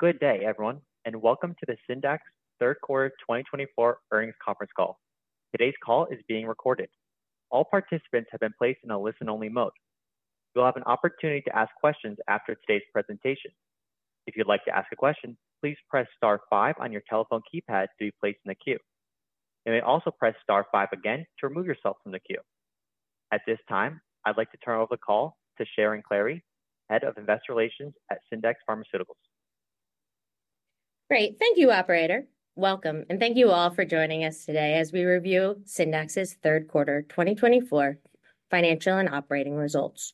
Good day, everyone, and welcome to the Syndax Third Quarter 2024 earnings conference call. Today's call is being recorded. All participants have been placed in a listen-only mode. You'll have an opportunity to ask questions after today's presentation. If you'd like to ask a question, please press star five on your telephone keypad to be placed in the queue. You may also press star five again to remove yourself from the queue. At this time, I'd like to turn over the call to Sharon Clary, Head of Investor Relations at Syndax Pharmaceuticals. Great. Thank you, Operator. Welcome, and thank you all for joining us today as we review Syndax's Third Quarter 2024 financial and operating results.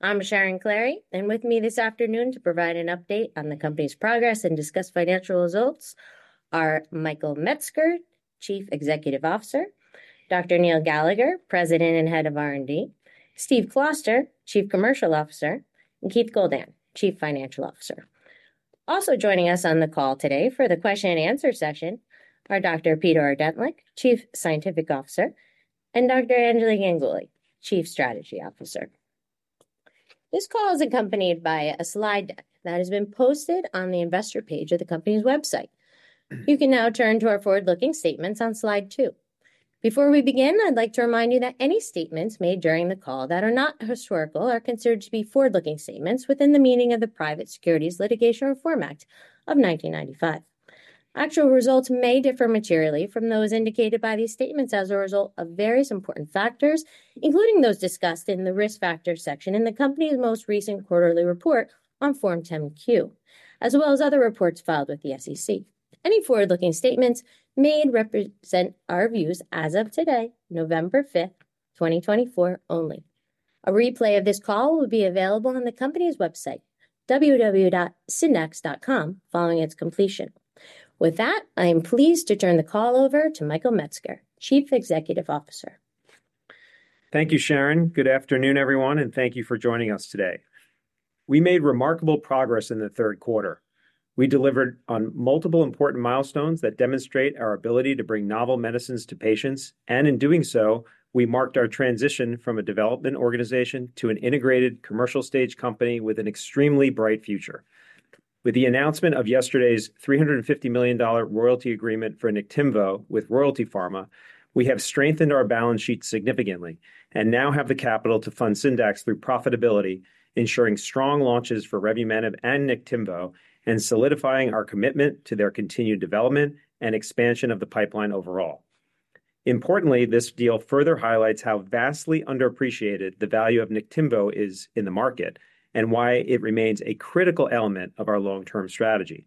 I'm Sharon Clary, and with me this afternoon to provide an update on the company's progress and discuss financial results are Michael Metzger, Chief Executive Officer, Dr. Neil Gallagher, President and Head of R&D, Steve Kloster, Chief Commercial Officer, and Keith Goldan, Chief Financial Officer. Also joining us on the call today for the question-and-answer session are Dr. Peter Ordentlich, Chief Scientific Officer, and Dr. Anjali Ganguly, Chief Strategy Officer. This call is accompanied by a slide deck that has been posted on the investor page of the company's website. You can now turn to our forward-looking statements on slide two. Before we begin, I'd like to remind you that any statements made during the call that are not historical are considered to be forward-looking statements within the meaning of the Private Securities Litigation Reform Act of 1995. Actual results may differ materially from those indicated by these statements as a result of various important factors, including those discussed in the risk factor section in the company's most recent quarterly report on Form 10-Q, as well as other reports filed with the SEC. Any forward-looking statements made represent our views as of today, November 5th, 2024 only. A replay of this call will be available on the company's website, www.syndax.com, following its completion. With that, I am pleased to turn the call over to Michael Metzger, Chief Executive Officer. Thank you, Sharon. Good afternoon, everyone, and thank you for joining us today. We made remarkable progress in the third quarter. We delivered on multiple important milestones that demonstrate our ability to bring novel medicines to patients, and in doing so, we marked our transition from a development organization to an integrated commercial-stage company with an extremely bright future. With the announcement of yesterday's $350 million royalty agreement for Niktimvo with Royalty Pharma, we have strengthened our balance sheet significantly and now have the capital to fund Syndax through profitability, ensuring strong launches for revumenib and Niktimvo and solidifying our commitment to their continued development and expansion of the pipeline overall. Importantly, this deal further highlights how vastly underappreciated the value of Niktimvo is in the market and why it remains a critical element of our long-term strategy.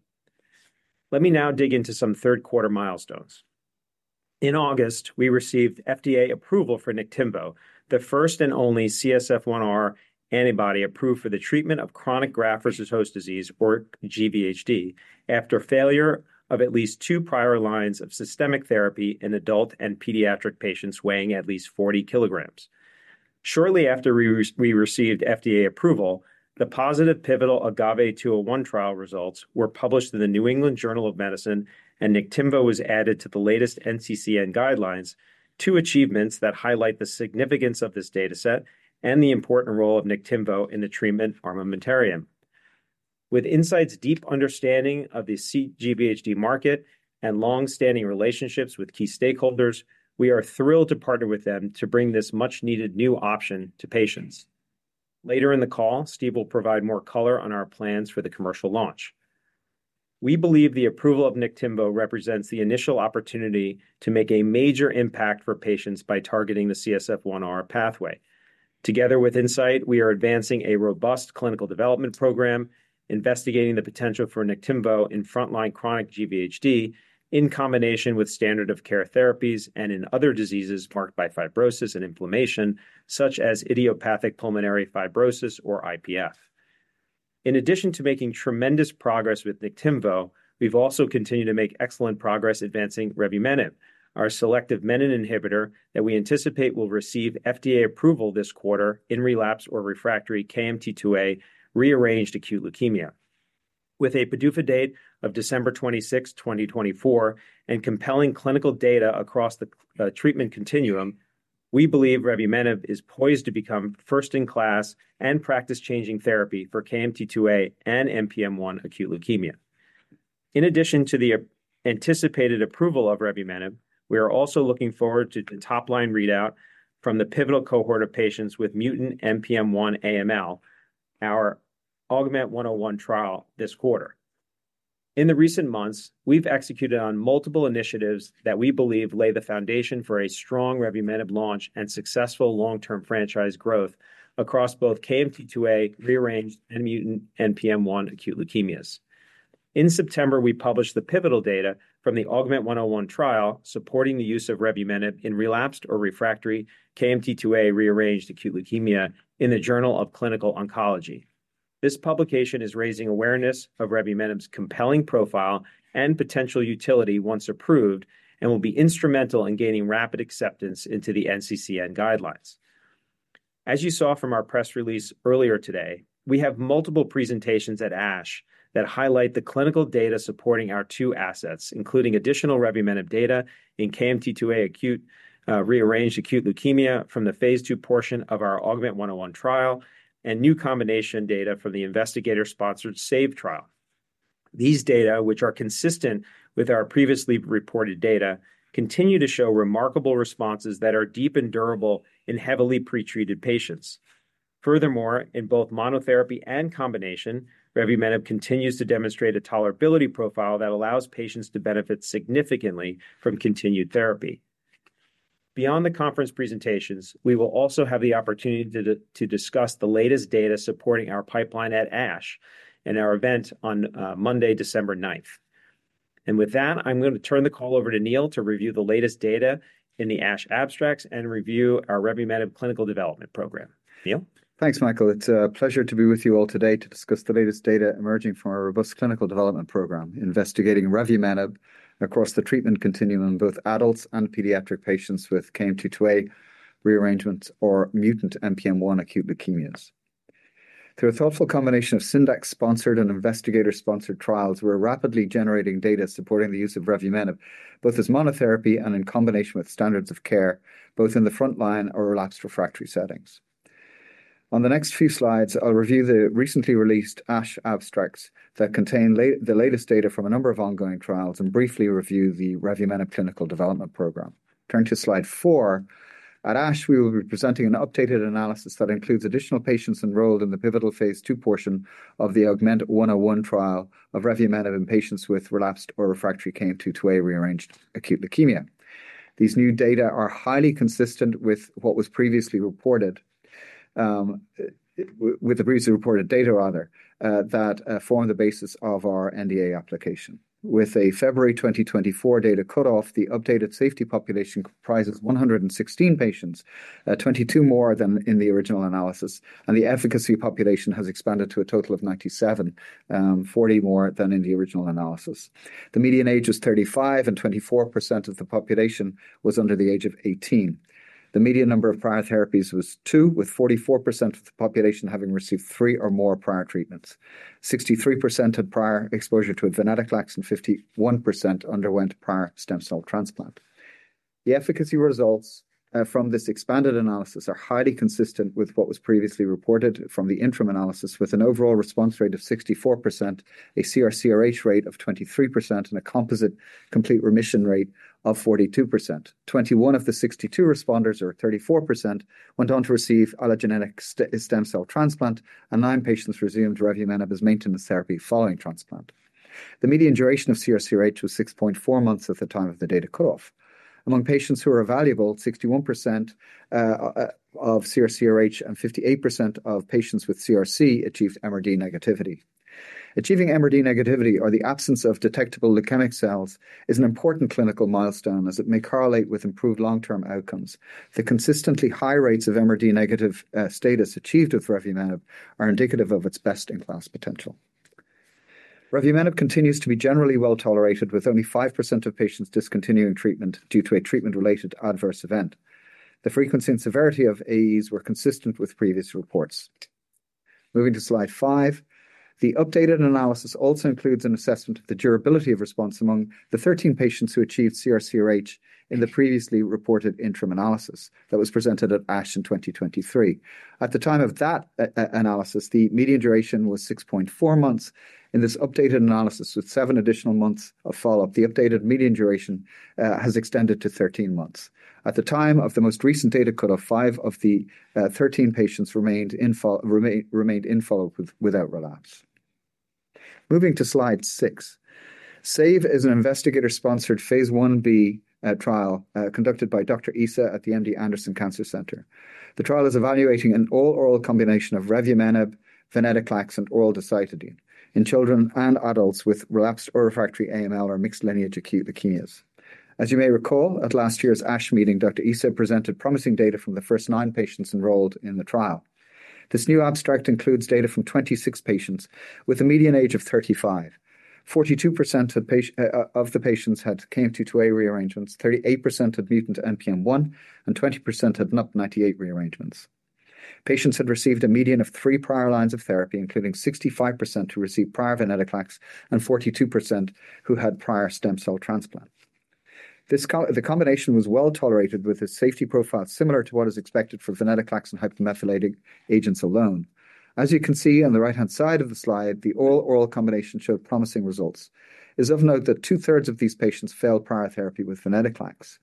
Let me now dig into some third-quarter milestones. In August, we received FDA approval for Niktimvo, the first and only CSF1R antibody approved for the treatment of chronic graft-versus-host disease, or GVHD, after failure of at least two prior lines of systemic therapy in adult and pediatric patients weighing at least 40 kilograms. Shortly after we received FDA approval, the positive pivotal AGAVE-201 trial results were published in the New England Journal of Medicine, and Niktimvo was added to the latest NCCN Guidelines, two achievements that highlight the significance of this dataset and the important role of Niktimvo in the treatment armamentarium. With Incyte's deep understanding of the GVHD market and long-standing relationships with key stakeholders, we are thrilled to partner with them to bring this much-needed new option to patients. Later in the call, Steve will provide more color on our plans for the commercial launch. We believe the approval of Niktimvo represents the initial opportunity to make a major impact for patients by targeting the CSF1R pathway. Together with Incyte, we are advancing a robust clinical development program, investigating the potential for Niktimvo in frontline chronic GVHD in combination with standard-of-care therapies and in other diseases marked by fibrosis and inflammation, such as idiopathic pulmonary fibrosis, or IPF. In addition to making tremendous progress with Niktimvo, we've also continued to make excellent progress advancing revumenib, our selective menin inhibitor that we anticipate will receive FDA approval this quarter in relapsed or refractory KMT2A rearranged acute leukemia. With a PDUFA date of December 26, 2024, and compelling clinical data across the treatment continuum, we believe revumenib is poised to become first-in-class and practice-changing therapy for KMT2A and NPM1 acute leukemia. In addition to the anticipated approval of revumenib, we are also looking forward to the top-line readout from the pivotal cohort of patients with mutant NPM1 AML, our AUGMENT-101 trial this quarter. In the recent months, we've executed on multiple initiatives that we believe lay the foundation for a strong revumenib launch and successful long-term franchise growth across both KMT2A rearranged and mutant NPM1 acute leukemias. In September, we published the pivotal data from the AUGMENT-101 trial supporting the use of revumenib in relapsed or refractory KMT2A rearranged acute leukemia in the Journal of Clinical Oncology. This publication is raising awareness of revumenib's compelling profile and potential utility once approved and will be instrumental in gaining rapid acceptance into the NCCN guidelines. As you saw from our press release earlier today, we have multiple presentations at ASH that highlight the clinical data supporting our two assets, including additional revumenib data in KMT2A rearranged acute leukemia from the phase II portion of our AUGMENT-101 trial and new combination data from the investigator-sponsored SAVE trial. These data, which are consistent with our previously reported data, continue to show remarkable responses that are deep and durable in heavily pretreated patients. Furthermore, in both monotherapy and combination, revumenib continues to demonstrate a tolerability profile that allows patients to benefit significantly from continued therapy. Beyond the conference presentations, we will also have the opportunity to discuss the latest data supporting our pipeline at ASH and our event on Monday, December 9th. And with that, I'm going to turn the call over to Neil to review the latest data in the ASH abstracts and review our revumenib clinical development program. Neil? Thanks, Michael. It's a pleasure to be with you all today to discuss the latest data emerging from our robust clinical development program investigating revumenib across the treatment continuum in both adults and pediatric patients with KMT2A rearrangements or mutant NPM1 acute leukemias. Through a thoughtful combination of Syndax-sponsored and investigator-sponsored trials, we're rapidly generating data supporting the use of revumenib both as monotherapy and in combination with standards of care, both in the frontline or relapsed refractory settings. On the next few slides, I'll review the recently released ASH abstracts that contain the latest data from a number of ongoing trials and briefly review the revumenib clinical development program. Turn to slide four. At ASH, we will be presenting an updated analysis that includes additional patients enrolled in the pivotal phase two portion of the AUGMENT-101 trial of revumenib in patients with relapsed or refractory KMT2A rearranged acute leukemia. These new data are highly consistent with what was previously reported, with the previously reported data, rather, that form the basis of our NDA application. With a February 2024 data cutoff, the updated safety population comprises 116 patients, 22 more than in the original analysis, and the efficacy population has expanded to a total of 97, 40 more than in the original analysis. The median age is 35, and 24% of the population was under the age of 18. The median number of prior therapies was two, with 44% of the population having received three or more prior treatments. 63% had prior exposure to a venetoclax and 51% underwent prior stem cell transplant. The efficacy results from this expanded analysis are highly consistent with what was previously reported from the interim analysis, with an overall response rate of 64%, a CR/CRh rate of 23%, and a composite complete remission rate of 42%. 21 of the 62 responders, or 34%, went on to receive allogeneic stem cell transplant, and nine patients resumed revumenib as maintenance therapy following transplant. The median duration of CR/CRh was 6.4 months at the time of the data cutoff. Among patients who are evaluable, 61% of CR/CRh and 58% of patients with CRc achieved MRD negativity. Achieving MRD negativity, or the absence of detectable leukemic cells, is an important clinical milestone as it may correlate with improved long-term outcomes. The consistently high rates of MRD negative status achieved with revumenib are indicative of its best-in-class potential. Revumenib continues to be generally well tolerated, with only 5% of patients discontinuing treatment due to a treatment-related adverse event. The frequency and severity of AEs were consistent with previous reports. Moving to slide five, the updated analysis also includes an assessment of the durability of response among the 13 patients who achieved CR/CRh in the previously reported interim analysis that was presented at ASH in 2023. At the time of that analysis, the median duration was 6.4 months. In this updated analysis, with seven additional months of follow-up, the updated median duration has extended to 13 months. At the time of the most recent data cutoff, five of the 13 patients remained in follow-up without relapse. Moving to slide six, SAVE is an investigator-sponsore Phase Ib trial conducted by Dr. Issa at the MD Anderson Cancer Center. The trial is evaluating an all-oral combination of revumenib, venetoclax, and oral decitabine in children and adults with relapsed or refractory AML or mixed lineage acute leukemias. As you may recall, at last year's ASH meeting, Dr. Issa presented promising data from the first nine patients enrolled in the trial. This new abstract includes data from 26 patients with a median age of 35. 42% of the patients had KMT2A rearrangements, 38% had mutant NPM1, and 20% had NUP98 rearrangements. Patients had received a median of three prior lines of therapy, including 65% who received prior venetoclax and 42% who had prior stem cell transplant. The combination was well tolerated with a safety profile similar to what is expected for venetoclax and hypomethylating agents alone. As you can see on the right-hand side of the slide, the all-oral combination showed promising results. It is of note that two-thirds of these patients failed prior therapy with venetoclax.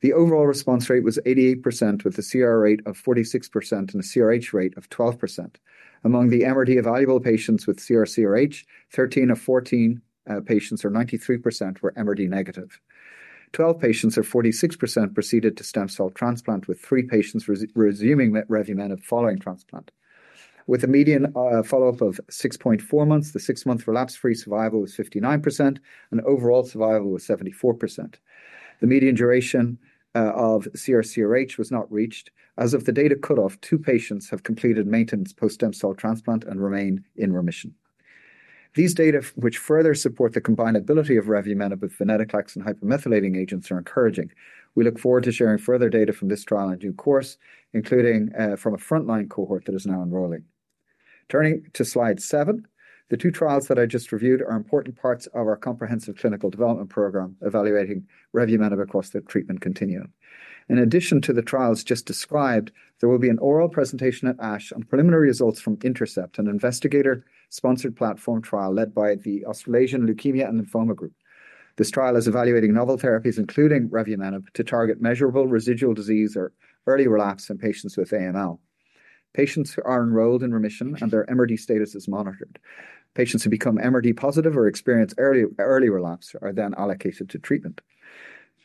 The overall response rate was 88%, with a CR rate of 46% and a CRh rate of 12%. Among the MRD evaluable patients with CR/CRh, 13 of 14 patients, or 93%, were MRD negative. 12 patients, or 46%, proceeded to stem cell transplant, with three patients resuming revumenib following transplant. With a median follow-up of 6.4 months, the six-month relapse-free survival was 59%, and overall survival was 74%. The median duration of CR/CRh was not reached. As of the data cutoff, two patients have completed maintenance post-stem cell transplant and remain in remission. These data, which further support the combinability of revumenib with venetoclax and hypomethylating agents, are encouraging. We look forward to sharing further data from this trial and new cohorts, including from a frontline cohort that is now enrolling. Turning to slide seven, the two trials that I just reviewed are important parts of our comprehensive clinical development program evaluating revumenib across the treatment continuum. In addition to the trials just described, there will be an oral presentation at ASH on preliminary results from INTERCEPT, an investigator-sponsored platform trial led by the Australasian Leukemia and Lymphoma Group. This trial is evaluating novel therapies, including revumenib, to target measurable residual disease or early relapse in patients with AML. Patients are enrolled in remission, and their MRD status is monitored. Patients who become MRD positive or experience early relapse are then allocated to treatment.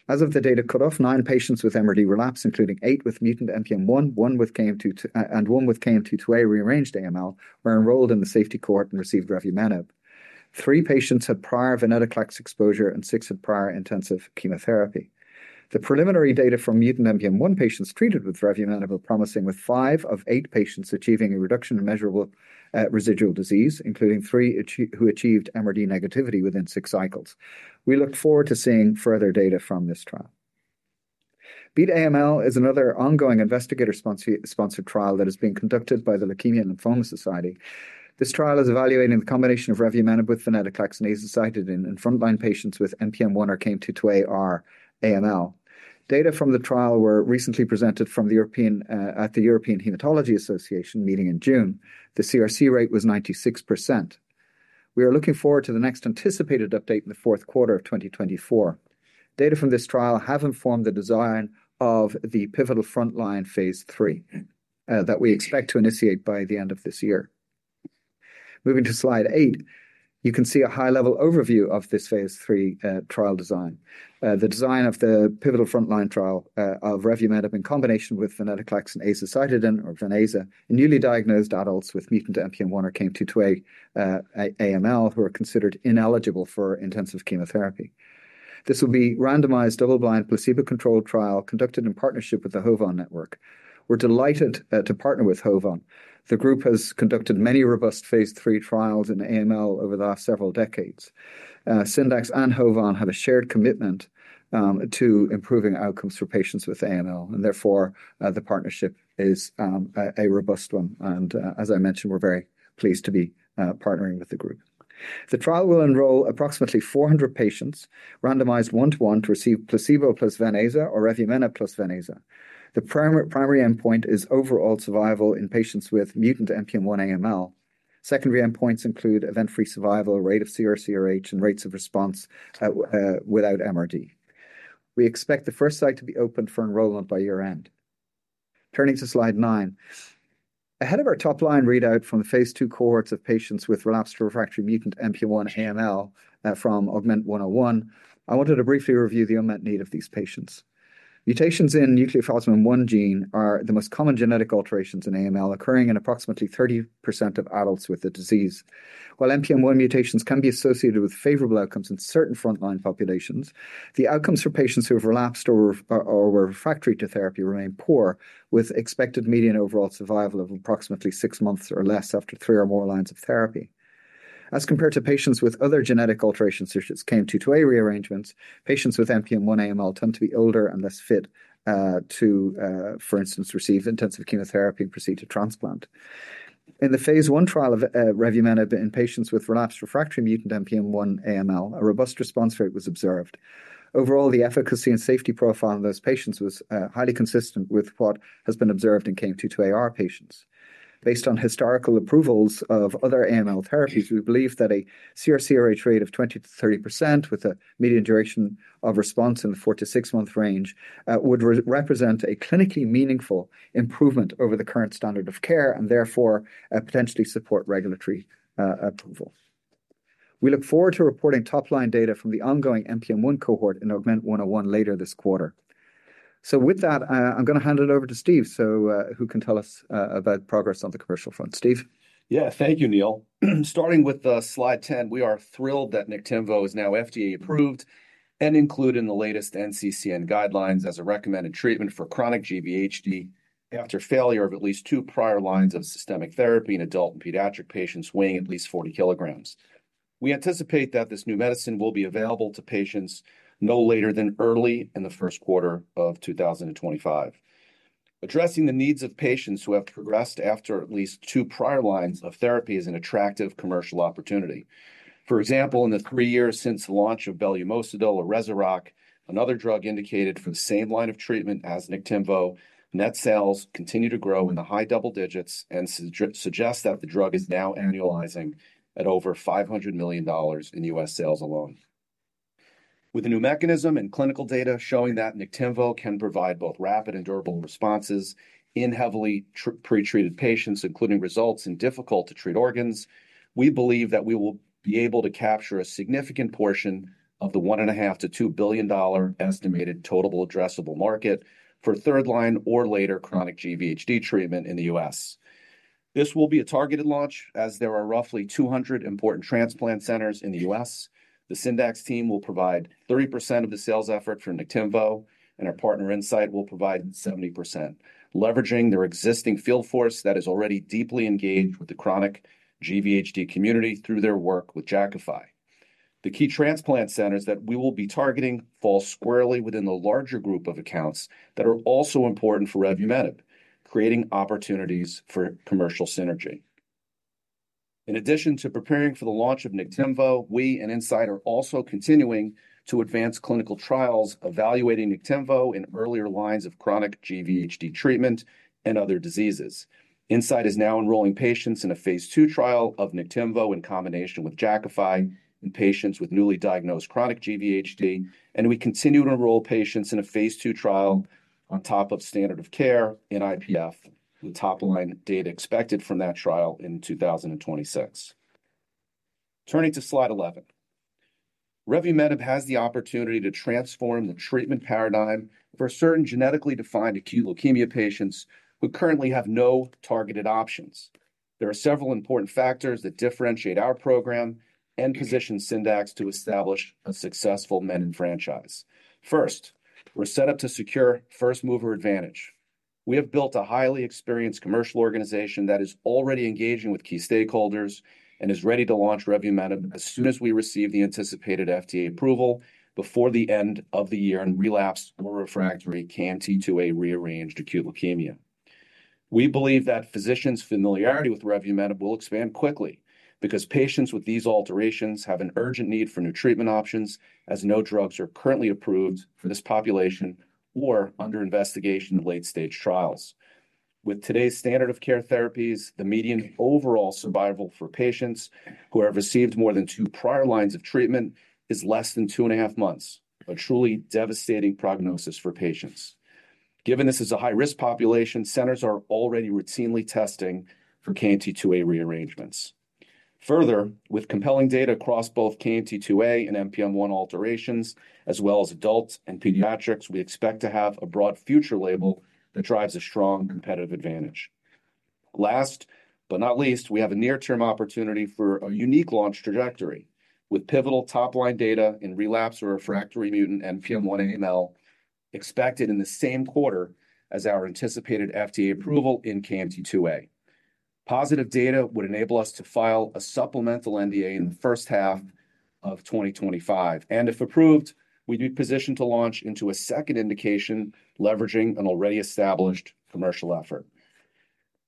As of the data cutoff, nine patients with MRD relapse, including eight with mutant NPM1, one with KMT2A, and one with KMT2A rearranged AML, were enrolled in the safety cohort and received revumenib. Three patients had prior venetoclax exposure, and six had prior intensive chemotherapy. The preliminary data from mutant NPM1 patients treated with revumenib are promising, with five of eight patients achieving a reduction in measurable residual disease, including three who achieved MRD negativity within six cycles. We look forward to seeing further data from this trial. BEAT-AML is another ongoing investigator-sponsored trial that is being conducted by the Leukemia and Lymphoma Society. This trial is evaluating the combination of revumenib with venetoclax and azacitidine in frontline patients with NPM1 or KMT2A-r AML. Data from the trial were recently presented from the European Hematology Association meeting in June. The CR/CRh rate was 96%. We are looking forward to the next anticipated update in the fourth quarter of 2024. Data from this trial have informed the design of the pivotal frontline phase III that we expect to initiate by the end of this year. Moving to slide eight, you can see a high-level overview of this phase III trial design. The design of the pivotal frontline trial of revumenib in combination with venetoclax and azacitidine, or VenAza, in newly diagnosed adults with mutant NPM1 or KMT2A AML who are considered ineligible for intensive chemotherapy. This will be a randomized double-blind placebo-controlled trial conducted in partnership with the HOVON network. We're delighted to partner with HOVON. The group has conducted many robust phase III trials in AML over the last several decades. Syndax and HOVON have a shared commitment to improving outcomes for patients with AML, and therefore the partnership is a robust one. As I mentioned, we're very pleased to be partnering with the group. The trial will enroll approximately 400 patients randomized one-to-one to receive placebo plus VenAza or revumenib plus VenAza. The primary endpoint is overall survival in patients with mutant NPM1 AML. Secondary endpoints include event-free survival, rate of CR/CRh, and rates of response without MRD. We expect the first site to be opened for enrollment by year-end. Turning to slide nine, ahead of our top-line readout from the phase II cohorts of patients with relapsed or refractory mutant NPM1 AML from AUGMENT-101, I wanted to briefly review the unmet need of these patients. Mutations in nucleophosmin 1 gene are the most common genetic alterations in AML occurring in approximately 30% of adults with the disease. While NPM1 mutations can be associated with favorable outcomes in certain frontline populations, the outcomes for patients who have relapsed or were refractory to therapy remain poor, with expected median overall survival of approximately six months or less after three or more lines of therapy. As compared to patients with other genetic alterations such as KMT2A rearrangements, patients with NPM1 AML tend to be older and less fit to, for instance, receive intensive chemotherapy and proceed to transplant. In the phase I trial of revumenib in patients with relapsed refractory mutant NPM1 AML, a robust response rate was observed. Overall, the efficacy and safety profile in those patients was highly consistent with what has been observed in KMT2A-R patients. Based on historical approvals of other AML therapies, we believe that a CR/CRh rate of 20%-30% with a median duration of response in the four- to six-month range would represent a clinically meaningful improvement over the current standard of care and therefore potentially support regulatory approval. We look forward to reporting top-line data from the ongoing NPM1 cohort in AUGMENT-101 later this quarter. So with that, I'm going to hand it over to Steve, who can tell us about progress on the commercial front. Steve? Yeah, thank you, Neil. Starting with slide 10, we are thrilled that Niktimvo is now FDA-approved and included in the latest NCCN guidelines as a recommended treatment for chronic GVHD after failure of at least two prior lines of systemic therapy in adult and pediatric patients weighing at least 40 kilograms. We anticipate that this new medicine will be available to patients no later than early in the first quarter of 2025. Addressing the needs of patients who have progressed after at least two prior lines of therapy is an attractive commercial opportunity. For example, in the three years since the launch of belumosudil or Rezurock, another drug indicated for the same line of treatment as Niktimvo, net sales continue to grow in the high double digits and suggest that the drug is now annualizing at over $500 million in U.S. sales alone. With the new mechanism and clinical data showing that Niktimvo can provide both rapid and durable responses in heavily pretreated patients, including results in difficult-to-treat organs, we believe that we will be able to capture a significant portion of the $1.5-$2 billion estimated total addressable market for third-line or later chronic GVHD treatment in the U.S. This will be a targeted launch as there are roughly 200 important transplant centers in the U.S. The Syndax team will provide 30% of the sales effort for Niktimvo, and our partner Incyte will provide 70%, leveraging their existing field force that is already deeply engaged with the chronic GVHD community through their work with Jakafi. The key transplant centers that we will be targeting fall squarely within the larger group of accounts that are also important for revumenib, creating opportunities for commercial synergy. In addition to preparing for the launch of Niktimvo, we and Incyte are also continuing to advance clinical trials evaluating Niktimvo in earlier lines of chronic GVHD treatment and other diseases. Incyte is now enrolling patients in a phase II trial of Niktimvo in combination with Jakafi in patients with newly diagnosed chronic GVHD, and we continue to enroll patients in a phase II trial on top of standard of care in IPF with top-line data expected from that trial in 2026. Turning to slide 11, revumenib has the opportunity to transform the treatment paradigm for certain genetically defined acute leukemia patients who currently have no targeted options. There are several important factors that differentiate our program and position Syndax to establish a successful menin franchise. First, we're set up to secure first-mover advantage. We have built a highly experienced commercial organization that is already engaging with key stakeholders and is ready to launch revumenib as soon as we receive the anticipated FDA approval before the end of the year in relapsed or refractory KMT2A rearranged acute leukemia. We believe that physicians' familiarity with revumenib will expand quickly because patients with these alterations have an urgent need for new treatment options as no drugs are currently approved for this population or under investigation in late-stage trials. With today's standard of care therapies, the median overall survival for patients who have received more than two prior lines of treatment is less than two and a half months, a truly devastating prognosis for patients. Given this is a high-risk population, centers are already routinely testing for KMT2A rearrangements. Further, with compelling data across both KMT2A and NPM1 alterations, as well as adults and pediatrics, we expect to have a broad future label that drives a strong competitive advantage. Last but not least, we have a near-term opportunity for a unique launch trajectory with pivotal top-line data in relapsed or refractory mutant NPM1 AML expected in the same quarter as our anticipated FDA approval in KMT2A. Positive data would enable us to file a supplemental NDA in the first half of 2025, and if approved, we'd be positioned to launch into a second indication leveraging an already established commercial effort.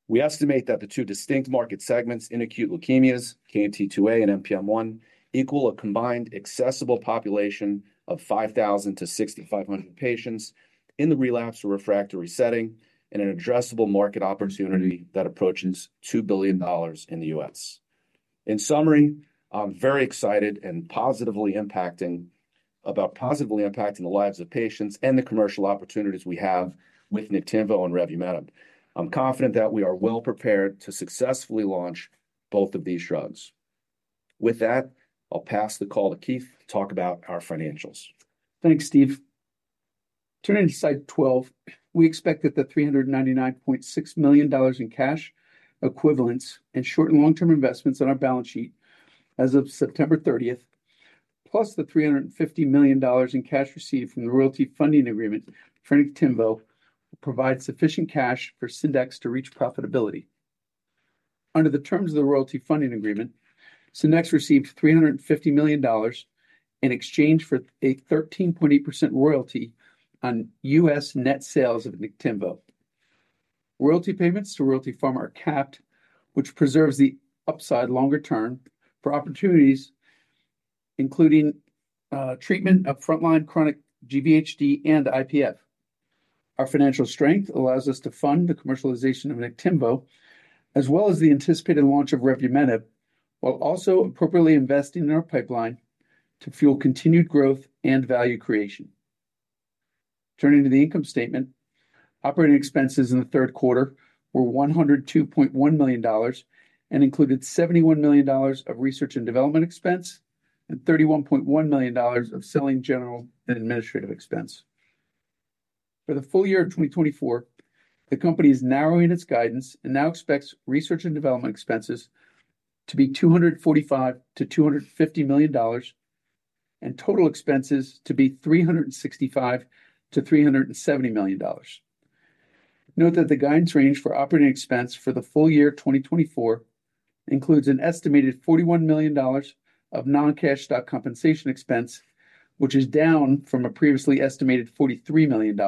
We estimate that the two distinct market segments in acute leukemias, KMT2A and NPM1, equal a combined accessible population of 5,000-6,500 patients in the relapsed or refractory setting and an addressable market opportunity that approaches $2 billion in the U.S. In summary, I'm very excited about positively impacting the lives of patients and the commercial opportunities we have with Niktimvo and revumenib. I'm confident that we are well prepared to successfully launch both of these drugs. With that, I'll pass the call to Keith to talk about our financials. Thanks, Steve. Turning to slide 12, we expect that the $399.6 million in cash equivalents and short and long-term investments on our balance sheet as of September 30th, plus the $350 million in cash received from the royalty funding agreement for Niktimvo, will provide sufficient cash for Syndax to reach profitability. Under the terms of the royalty funding agreement, Syndax received $350 million in exchange for a 13.8% royalty on U.S. net sales of Niktimvo. Royalty payments to Royalty Pharma are capped, which preserves the upside longer term for opportunities, including treatment of frontline chronic GVHD and IPF. Our financial strength allows us to fund the commercialization of Niktimvo, as well as the anticipated launch of revumenib, while also appropriately investing in our pipeline to fuel continued growth and value creation. Turning to the income statement, operating expenses in the third quarter were $102.1 million and included $71 million of research and development expense and $31.1 million of selling general and administrative expense. For the full year of 2024, the company is narrowing its guidance and now expects research and development expenses to be $245-$250 million and total expenses to be $365-$370 million. Note that the guidance range for operating expense for the full year 2024 includes an estimated $41 million of non-cash stock compensation expense, which is down from a previously estimated $43 million,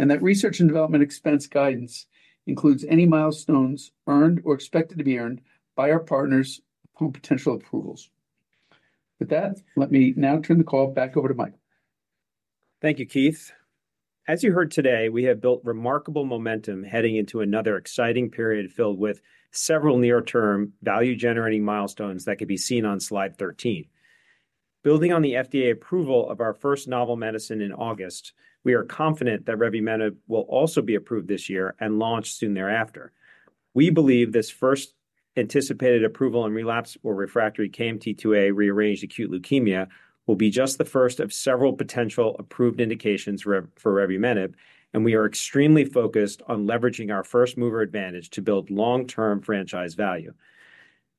and that research and development expense guidance includes any milestones earned or expected to be earned by our partners upon potential approvals. With that, let me now turn the call back over to Mike. Thank you, Keith. As you heard today, we have built remarkable momentum heading into another exciting period filled with several near-term value-generating milestones that could be seen on slide 13. Building on the FDA approval of our first novel medicine in August, we are confident that revumenib will also be approved this year and launched soon thereafter. We believe this first anticipated approval in relapsed or refractory KMT2A rearranged acute leukemia will be just the first of several potential approved indications for revumenib, and we are extremely focused on leveraging our first-mover advantage to build long-term franchise value.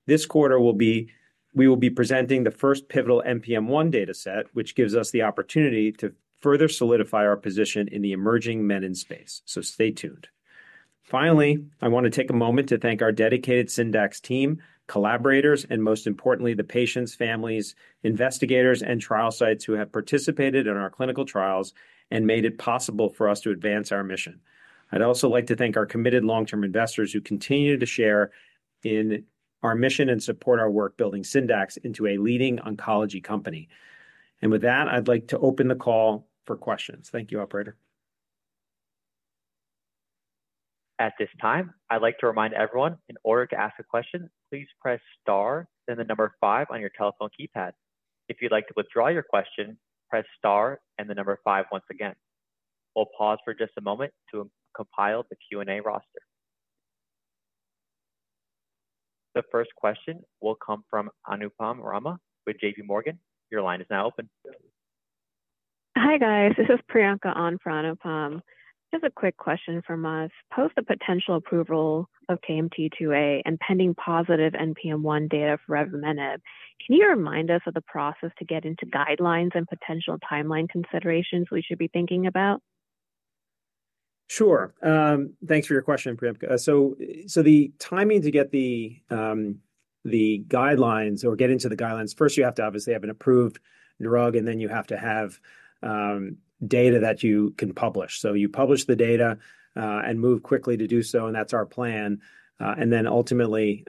This quarter, we will be presenting the first pivotal NPM1 dataset, which gives us the opportunity to further solidify our position in the emerging menin space. So stay tuned. Finally, I want to take a moment to thank our dedicated Syndax team, collaborators, and most importantly, the patients, families, investigators, and trial sites who have participated in our clinical trials and made it possible for us to advance our mission. I'd also like to thank our committed long-term investors who continue to share in our mission and support our work building Syndax into a leading oncology company. And with that, I'd like to open the call for questions. Thank you, Operator. At this time, I'd like to remind everyone in order to ask a question, please press star, then the number five on your telephone keypad. If you'd like to withdraw your question, press star and the number five once again. We'll pause for just a moment to compile the Q&A roster. The first question will come from Anupam Rama with JPMorgan. Your line is now open. Hi guys, this is Priyanka Grover for Anupam. Just a quick question from us. Post the potential approval of KMT2A and pending positive NPM1 data for revumenib, can you remind us of the process to get into guidelines and potential timeline considerations we should be thinking about? Sure. Thanks for your question, Priyanka. So the timing to get the guidelines or get into the guidelines, first you have to obviously have an approved drug, and then you have to have data that you can publish. So you publish the data and move quickly to do so, and that's our plan. And then ultimately,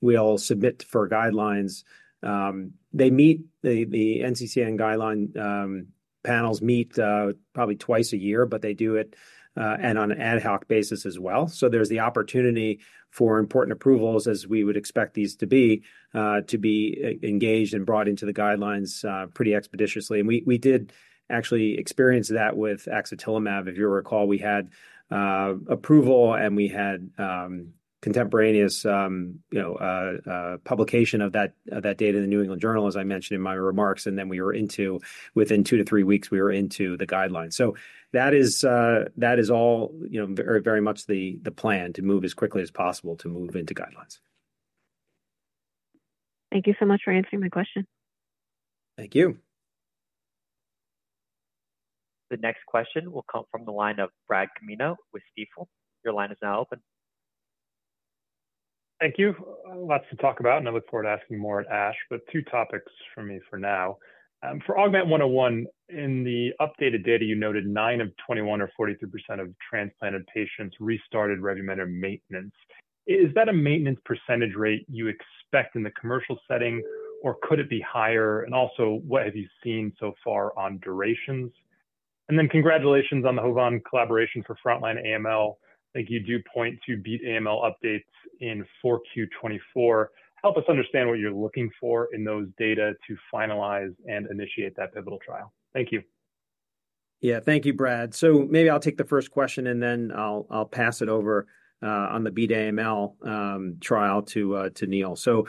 we all submit for guidelines. The NCCN guideline panels meet probably twice a year, but they do it on an ad hoc basis as well. So there's the opportunity for important approvals, as we would expect these to be, to be engaged and brought into the guidelines pretty expeditiously. And we did actually experience that with axatilimab. If you recall, we had approval and we had contemporaneous publication of that data in the New England Journal, as I mentioned in my remarks. Then we were into, within two to three weeks, we were into the guidelines. That is all very much the plan to move as quickly as possible to move into guidelines. Thank you so much for answering my question. Thank you. The next question will come from the line of Brad Canino with Stifel. Your line is now open. Thank you. Lots to talk about, and I look forward to asking more at ASH, but two topics for me for now. For AUGMENT-101, in the updated data, you noted nine of 21 or 43% of transplanted patients restarted revumenib maintenance. Is that a maintenance percentage rate you expect in the commercial setting, or could it be higher? And also, what have you seen so far on durations? And then congratulations on the HOVON collaboration for frontline AML. I think you do point to BEAT-AML updates in 4Q24. Help us understand what you're looking for in those data to finalize and initiate that pivotal trial. Thank you. Yeah, thank you, Brad. So maybe I'll take the first question and then I'll pass it over on the BEAT-AML trial to Neil. So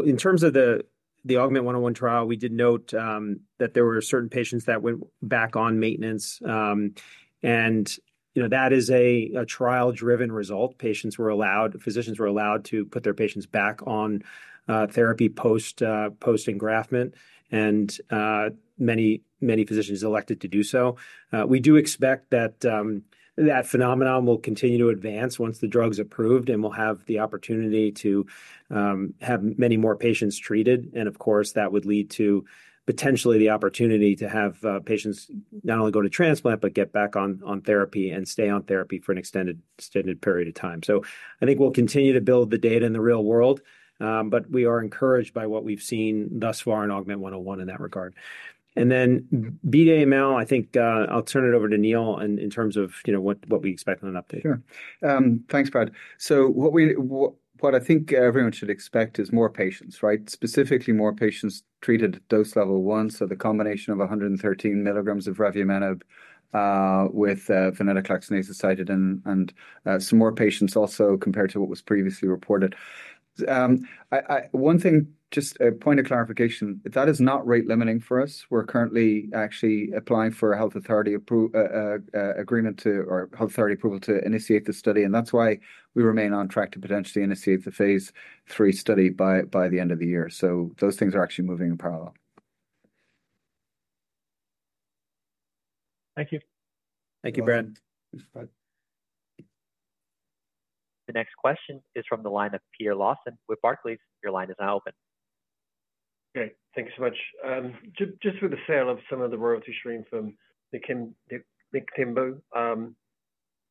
in terms of the AUGMENT-101 trial, we did note that there were certain patients that went back on maintenance. And that is a trial-driven result. Physicians were allowed to put their patients back on therapy post-engraftment, and many physicians elected to do so. We do expect that phenomenon will continue to advance once the drug's approved and we'll have the opportunity to have many more patients treated. And of course, that would lead to potentially the opportunity to have patients not only go to transplant, but get back on therapy and stay on therapy for an extended period of time. So I think we'll continue to build the data in the real world, but we are encouraged by what we've seen thus far in AUGMENT-101 in that regard. And then BEAT-AML, I think I'll turn it over to Neil in terms of what we expect on an update. Sure. Thanks, Brad. So what I think everyone should expect is more patients, right? Specifically, more patients treated at dose level one. So the combination of 113 milligrams of revumenib with venetoclax and azacitidine and some more patients also compared to what was previously reported. One thing, just a point of clarification, that is not rate limiting for us. We're currently actually applying for a health authority agreement or health authority approval to initiate the study. And that's why we remain on track to potentially initiate the phase III study by the end of the year. So those things are actually moving in parallel. Thank you. Thank you, Brad. The next question is from the line of Peter Lawson with Barclays. Your line is now open. Okay. Thank you so much. Just with the sale of some of the royalty stream from Niktimvo,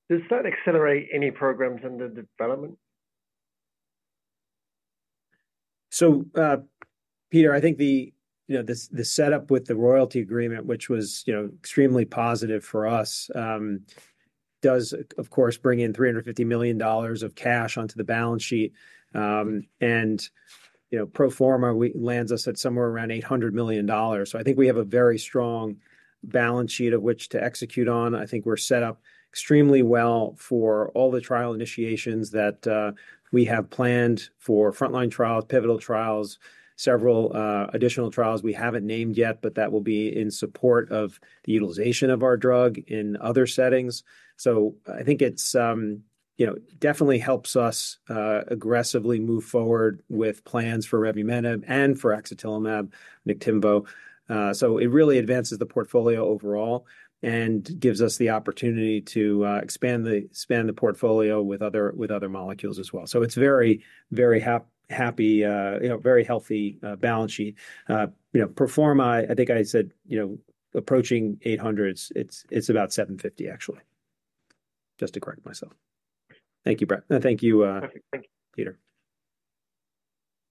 does that accelerate any programs under development? So Peter, I think the setup with the royalty agreement, which was extremely positive for us, does, of course, bring in $350 million of cash onto the balance sheet. And pro forma, we land us at somewhere around $800 million. So I think we have a very strong balance sheet of which to execute on. I think we're set up extremely well for all the trial initiations that we have planned for frontline trials, pivotal trials, several additional trials we haven't named yet, but that will be in support of the utilization of our drug in other settings. So I think it definitely helps us aggressively move forward with plans for revumenib and for axatilimab, Niktimvo. So it really advances the portfolio overall and gives us the opportunity to expand the portfolio with other molecules as well. So it's a very, very happy, very healthy balance sheet. Pro forma, I think I said approaching 800, it's about 750, actually. Just to correct myself. Thank you, Brad. Thank you, Peter.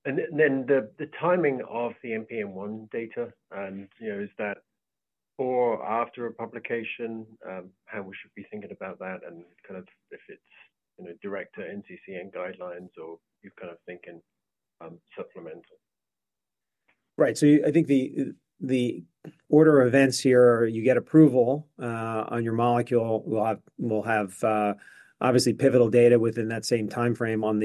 And then the timing of the NPM1 data, is that before or after a publication? How we should be thinking about that and kind of if it's direct to NCCN guidelines or you're kind of thinking supplemental? Right. So I think the order of events here, you get approval on your molecule. We'll have obviously pivotal data within that same timeframe on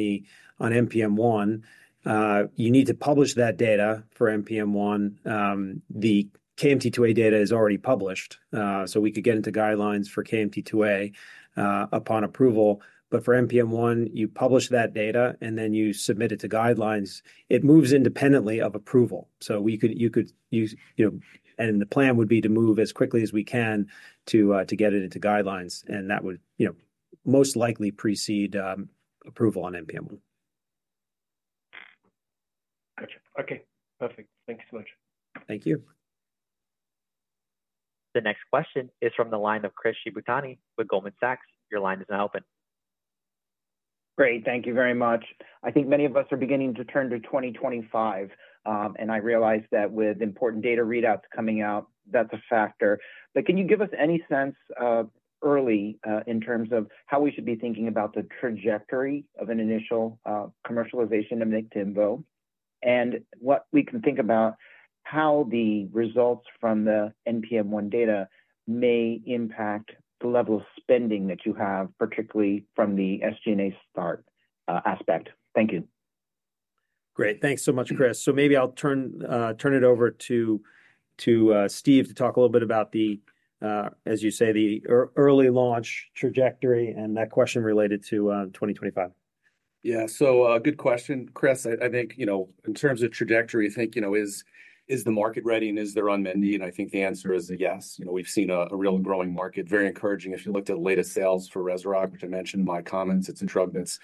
NPM1. You need to publish that data for NPM1. The KMT2A data is already published. So we could get into guidelines for KMT2A upon approval. But for NPM1, you publish that data and then you submit it to guidelines. It moves independently of approval. So you could, and the plan would be to move as quickly as we can to get it into guidelines. And that would most likely precede approval on NPM1. Gotcha. Okay. Perfect. Thanks so much. Thank you. The next question is from the line of Chris Shibutani with Goldman Sachs. Your line is now open. Great. Thank you very much. I think many of us are beginning to turn to 2025, and I realize that with important data readouts coming out, that's a factor, but can you give us any sense early in terms of how we should be thinking about the trajectory of an initial commercialization of Niktimvo and what we can think about how the results from the NPM1 data may impact the level of spending that you have, particularly from the SG&A start aspect? Thank you. Great. Thanks so much, Chris. So maybe I'll turn it over to Steve to talk a little bit about, as you say, the early launch trajectory and that question related to 2025. Yeah. So good question. Chris, I think in terms of trajectory, I think is the market ready and is there unmet need? And I think the answer is yes. We've seen a real growing market. Very encouraging if you looked at the latest sales for Rezurock, which I mentioned in my comments. It's a drug that's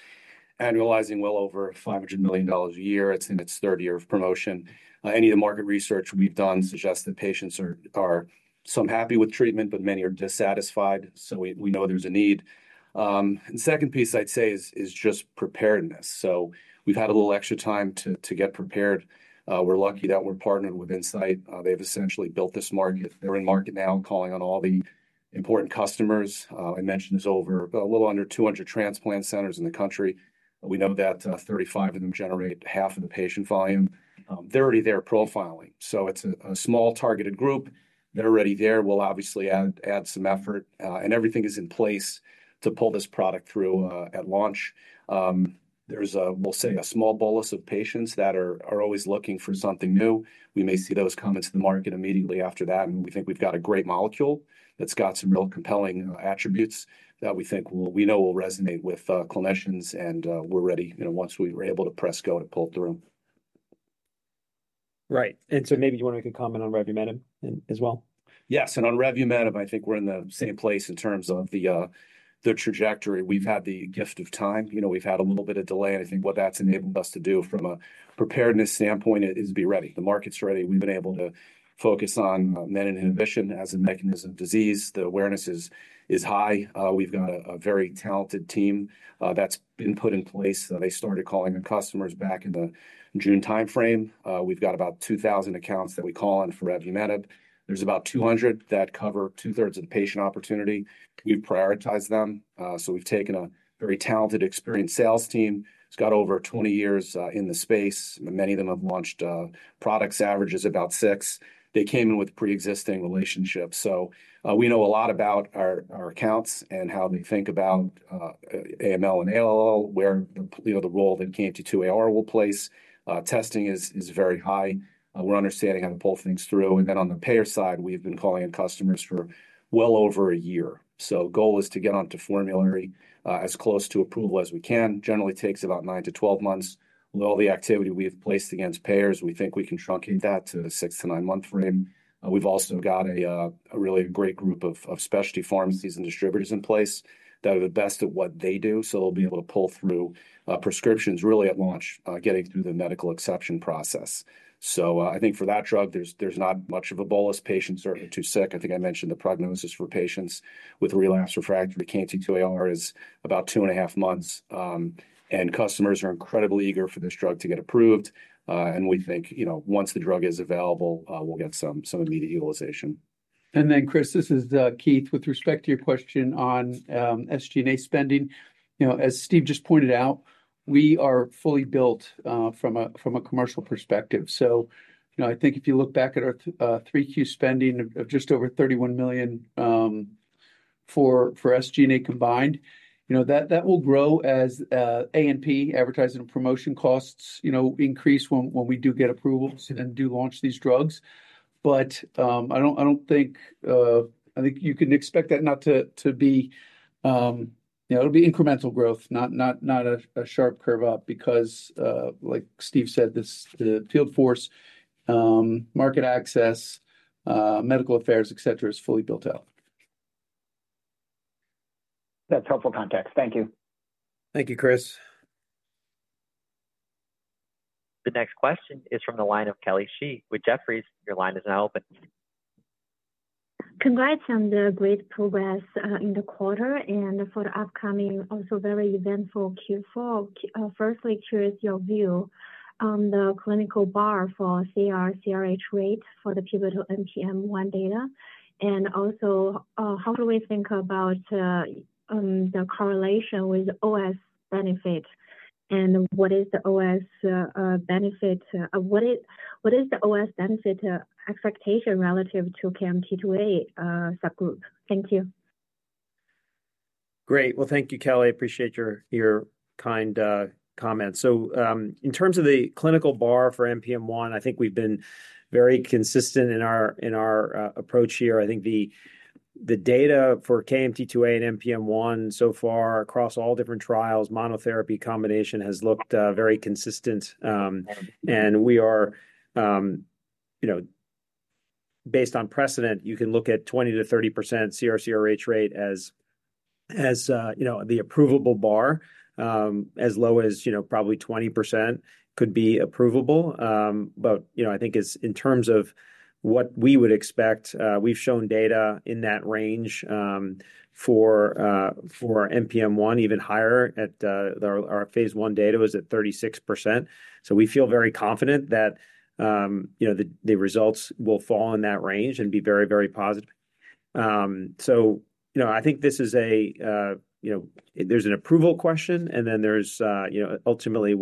annualizing well over $500 million a year. It's in its third year of promotion. Any of the market research we've done suggests that patients are somewhat happy with treatment, but many are dissatisfied. So we know there's a need. The second piece I'd say is just preparedness. So we've had a little extra time to get prepared. We're lucky that we're partnered with Incyte. They've essentially built this market. They're in market now and calling on all the important customers. I mentioned there's a little over 200 transplant centers in the country. We know that 35 of them generate half of the patient volume. They're already there profiling, so it's a small targeted group. They're already there. We'll obviously add some effort, and everything is in place to pull this product through at launch. There's, we'll say, a small bolus of patients that are always looking for something new. We may see those come into the market immediately after that, and we think we've got a great molecule that's got some real compelling attributes that we think we know will resonate with clinicians, and we're ready once we were able to press go to pull through them. Right, and so maybe you want to make a comment on revumenib as well? Yes. And on revumenib, I think we're in the same place in terms of the trajectory. We've had the gift of time. We've had a little bit of delay. And I think what that's enabled us to do from a preparedness standpoint is be ready. The market's ready. We've been able to focus on menin inhibition as a mechanism of disease. The awareness is high. We've got a very talented team that's been put in place. They started calling the customers back in the June timeframe. We've got about 2,000 accounts that we call on for revumenib. There's about 200 that cover two-thirds of the patient opportunity. We've prioritized them. So we've taken a very talented, experienced sales team. It's got over 20 years in the space. Many of them have launched products. Average is about six. They came in with pre-existing relationships. So we know a lot about our accounts and how they think about AML and ALL, where the role that KMT2A will play. Testing is very high. We're understanding how to pull things through. And then on the payer side, we've been calling on customers for well over a year. So the goal is to get onto formulary as close to approval as we can. Generally takes about nine to 12 months. With all the activity we've placed against payers, we think we can truncate that to a six to nine-month frame. We've also got a really great group of specialty pharmacies and distributors in place that are the best at what they do. So they'll be able to pull through prescriptions really at launch, getting through the medical exception process. So I think for that drug, there's not much of a bolus. Patients are too sick. I think I mentioned the prognosis for patients with relapse refractory KMT2A-r is about two and a half months, and customers are incredibly eager for this drug to get approved, and we think once the drug is available, we'll get some immediate utilization. Then, Chris, this is Keith with respect to your question on SG&A spending. As Steve just pointed out, we are fully built from a commercial perspective. So I think if you look back at our 3Q spending of just over $31 million for SG&A combined, that will grow as A&P, advertising and promotion costs increase when we do get approvals and do launch these drugs. But I don't think you can expect that not to be. It'll be incremental growth, not a sharp curve up because, like Steve said, the field force, market access, medical affairs, etc., is fully built out. That's helpful context. Thank you. Thank you, Chris. The next question is from the line of Kelly Shi with Jefferies. Your line is now open. Congrats on the great progress in the quarter and for the upcoming, also very eventful Q4. First, curious your view on the clinical bar for CR/CRh rate for the pivotal NPM1 data. And also, how do we think about the correlation with OS benefit? And what is the OS benefit? What is the OS benefit expectation relative to KMT2A subgroup? Thank you. Great. Well, thank you, Kelly. I appreciate your kind comments. So in terms of the clinical bar for NPM1, I think we've been very consistent in our approach here. I think the data for KMT2A and NPM1 so far across all different trials, monotherapy combination has looked very consistent. And we are, based on precedent, you can look at 20%-30% CR/CRh rate as the approvable bar, as low as probably 20% could be approvable. But I think in terms of what we would expect, we've shown data in that range for NPM1, even higher at our phase I data was at 36%. So we feel very confident that the results will fall in that range and be very, very positive. So I think this is. There's an approval question, and then there's ultimately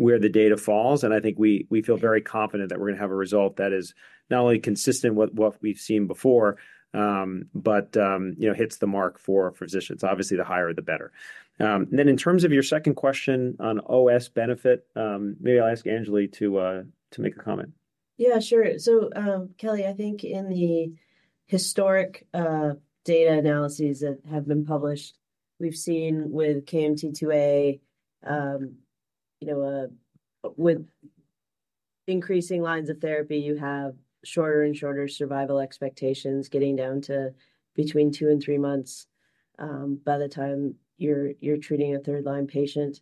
where the data falls. And I think we feel very confident that we're going to have a result that is not only consistent with what we've seen before, but hits the mark for physicians. Obviously, the higher, the better. And then in terms of your second question on OS benefit, maybe I'll ask Anjali to make a comment. Yeah, sure. So Kelly, I think in the historic data analyses that have been published, we've seen with KMT2A, with increasing lines of therapy, you have shorter and shorter survival expectations getting down to between two and three months by the time you're treating a third-line patient.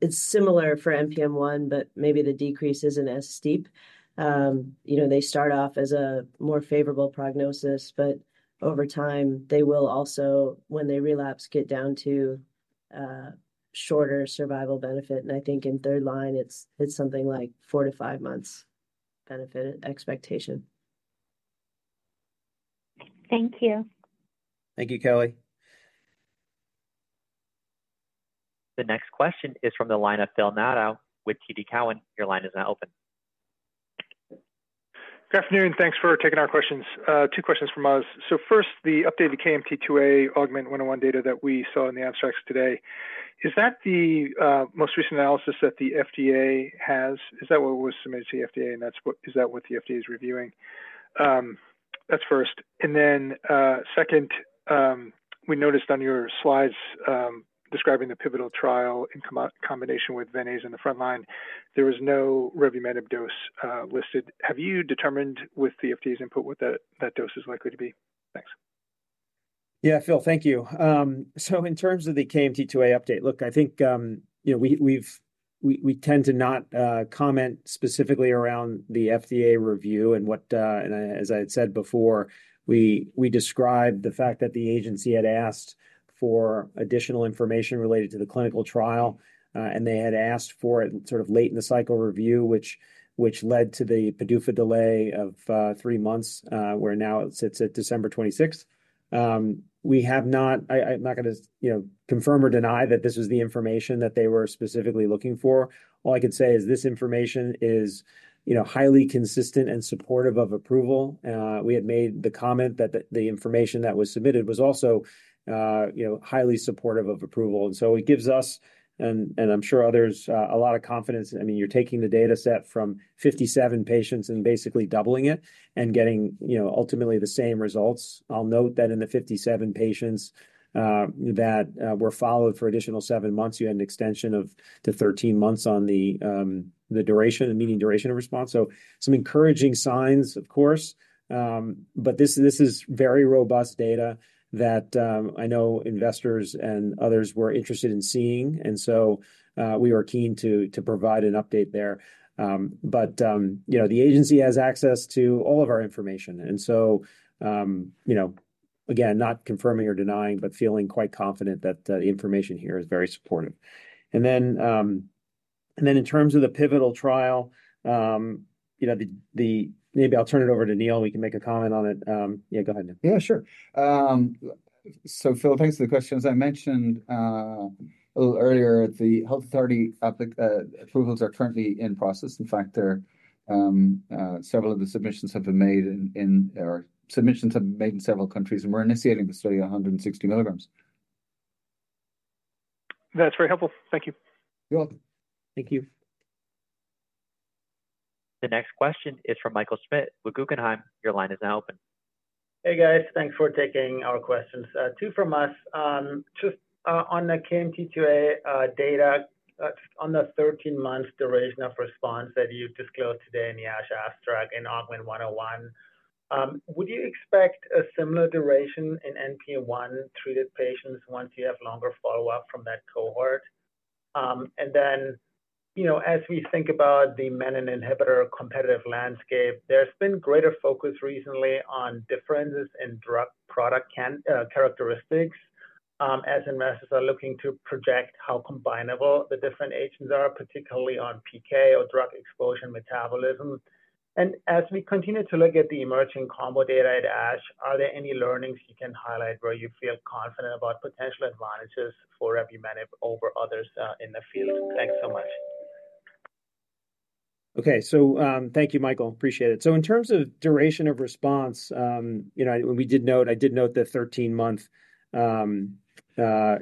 It's similar for NPM1, but maybe the decrease isn't as steep. They start off as a more favorable prognosis, but over time, they will also, when they relapse, get down to shorter survival benefit. And I think in third line, it's something like four to five months benefit expectation. Thank you. Thank you, Kelly. The next question is from the line of Phil Nadeau with TD Cowen. Your line is now open. Good afternoon. Thanks for taking our questions. Two questions from us. So first, the updated KMT2A AUGMENT-101 data that we saw in the abstracts today, is that the most recent analysis that the FDA has? Is that what was submitted to the FDA? And is that what the FDA is reviewing? That's first. And then second, we noticed on your slides describing the pivotal trial in combination with VenAza in the frontline, there was no revumenib dose listed. Have you determined with the FDA's input what that dose is likely to be? Thanks. Yeah, Phil, thank you. So in terms of the KMT2A update, look, I think we tend to not comment specifically around the FDA review. And as I had said before, we described the fact that the agency had asked for additional information related to the clinical trial. And they had asked for it sort of late in the cycle review, which led to the PDUFA delay of three months where now it sits at December 26th. We have not, I'm not going to confirm or deny that this was the information that they were specifically looking for. All I can say is this information is highly consistent and supportive of approval. We had made the comment that the information that was submitted was also highly supportive of approval. And so it gives us, and I'm sure others, a lot of confidence. I mean, you're taking the dataset from 57 patients and basically doubling it and getting ultimately the same results. I'll note that in the 57 patients that were followed for additional seven months, you had an extension of to 13 months on the duration, the median duration of response. So some encouraging signs, of course. But this is very robust data that I know investors and others were interested in seeing. And so we are keen to provide an update there. But the agency has access to all of our information. And so again, not confirming or denying, but feeling quite confident that the information here is very supportive. And then in terms of the pivotal trial, maybe I'll turn it over to Neil. We can make a comment on it. Yeah, go ahead, Neil. Yeah, sure. So Phil, thanks for the questions. I mentioned a little earlier that the health authority approvals are currently in process. In fact, several of the submissions have been made in several countries, and we're initiating the study of 160 milligrams. That's very helpful. Thank you. You're welcome. Thank you. The next question is from Michael Schmidt with Guggenheim. Your line is now open. Hey, guys. Thanks for taking our questions. Two from us. Just on the KMT2A data, on the 13-month duration of response that you disclosed today in the abstract in AUGMENT-101, would you expect a similar duration in NPM1 treated patients once you have longer follow-up from that cohort? And then as we think about the menin inhibitor competitive landscape, there's been greater focus recently on differences in drug product characteristics as investors are looking to project how combinable the different agents are, particularly on PK or drug exposure metabolism. And as we continue to look at the emerging combo data at ASH, are there any learnings you can highlight where you feel confident about potential advantages for revumenib over others in the field? Thanks so much. Okay. So thank you, Michael. Appreciate it. So in terms of duration of response, we did note the 13-month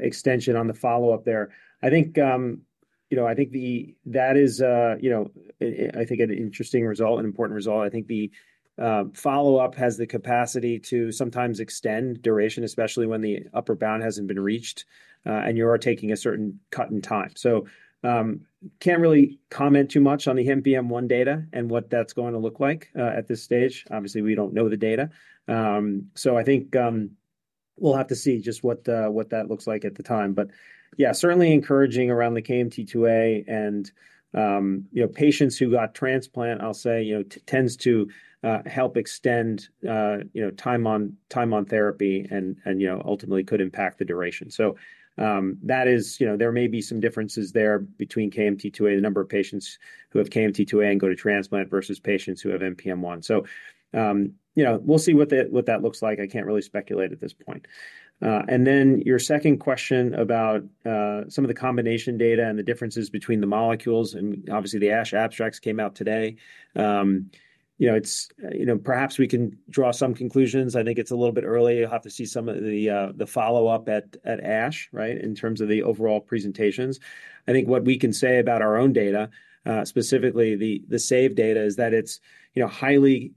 extension on the follow-up there. I think that is an interesting result, an important result. I think the follow-up has the capacity to sometimes extend duration, especially when the upper bound hasn't been reached and you are taking a certain cut in time. So can't really comment too much on the NPM1 data and what that's going to look like at this stage. Obviously, we don't know the data. So I think we'll have to see just what that looks like at the time. But yeah, certainly encouraging around the KMT2A and patients who got transplant. I'll say, it tends to help extend time on therapy and ultimately could impact the duration. So there may be some differences there between KMT2A, the number of patients who have KMT2A and go to transplant versus patients who have NPM1. So we'll see what that looks like. I can't really speculate at this point. And then your second question about some of the combination data and the differences between the molecules and obviously the ASH abstracts came out today. Perhaps we can draw some conclusions. I think it's a little bit early. You'll have to see some of the follow-up at ASH, right, in terms of the overall presentations. I think what we can say about our own data, specifically the SAVE data, is that it's highly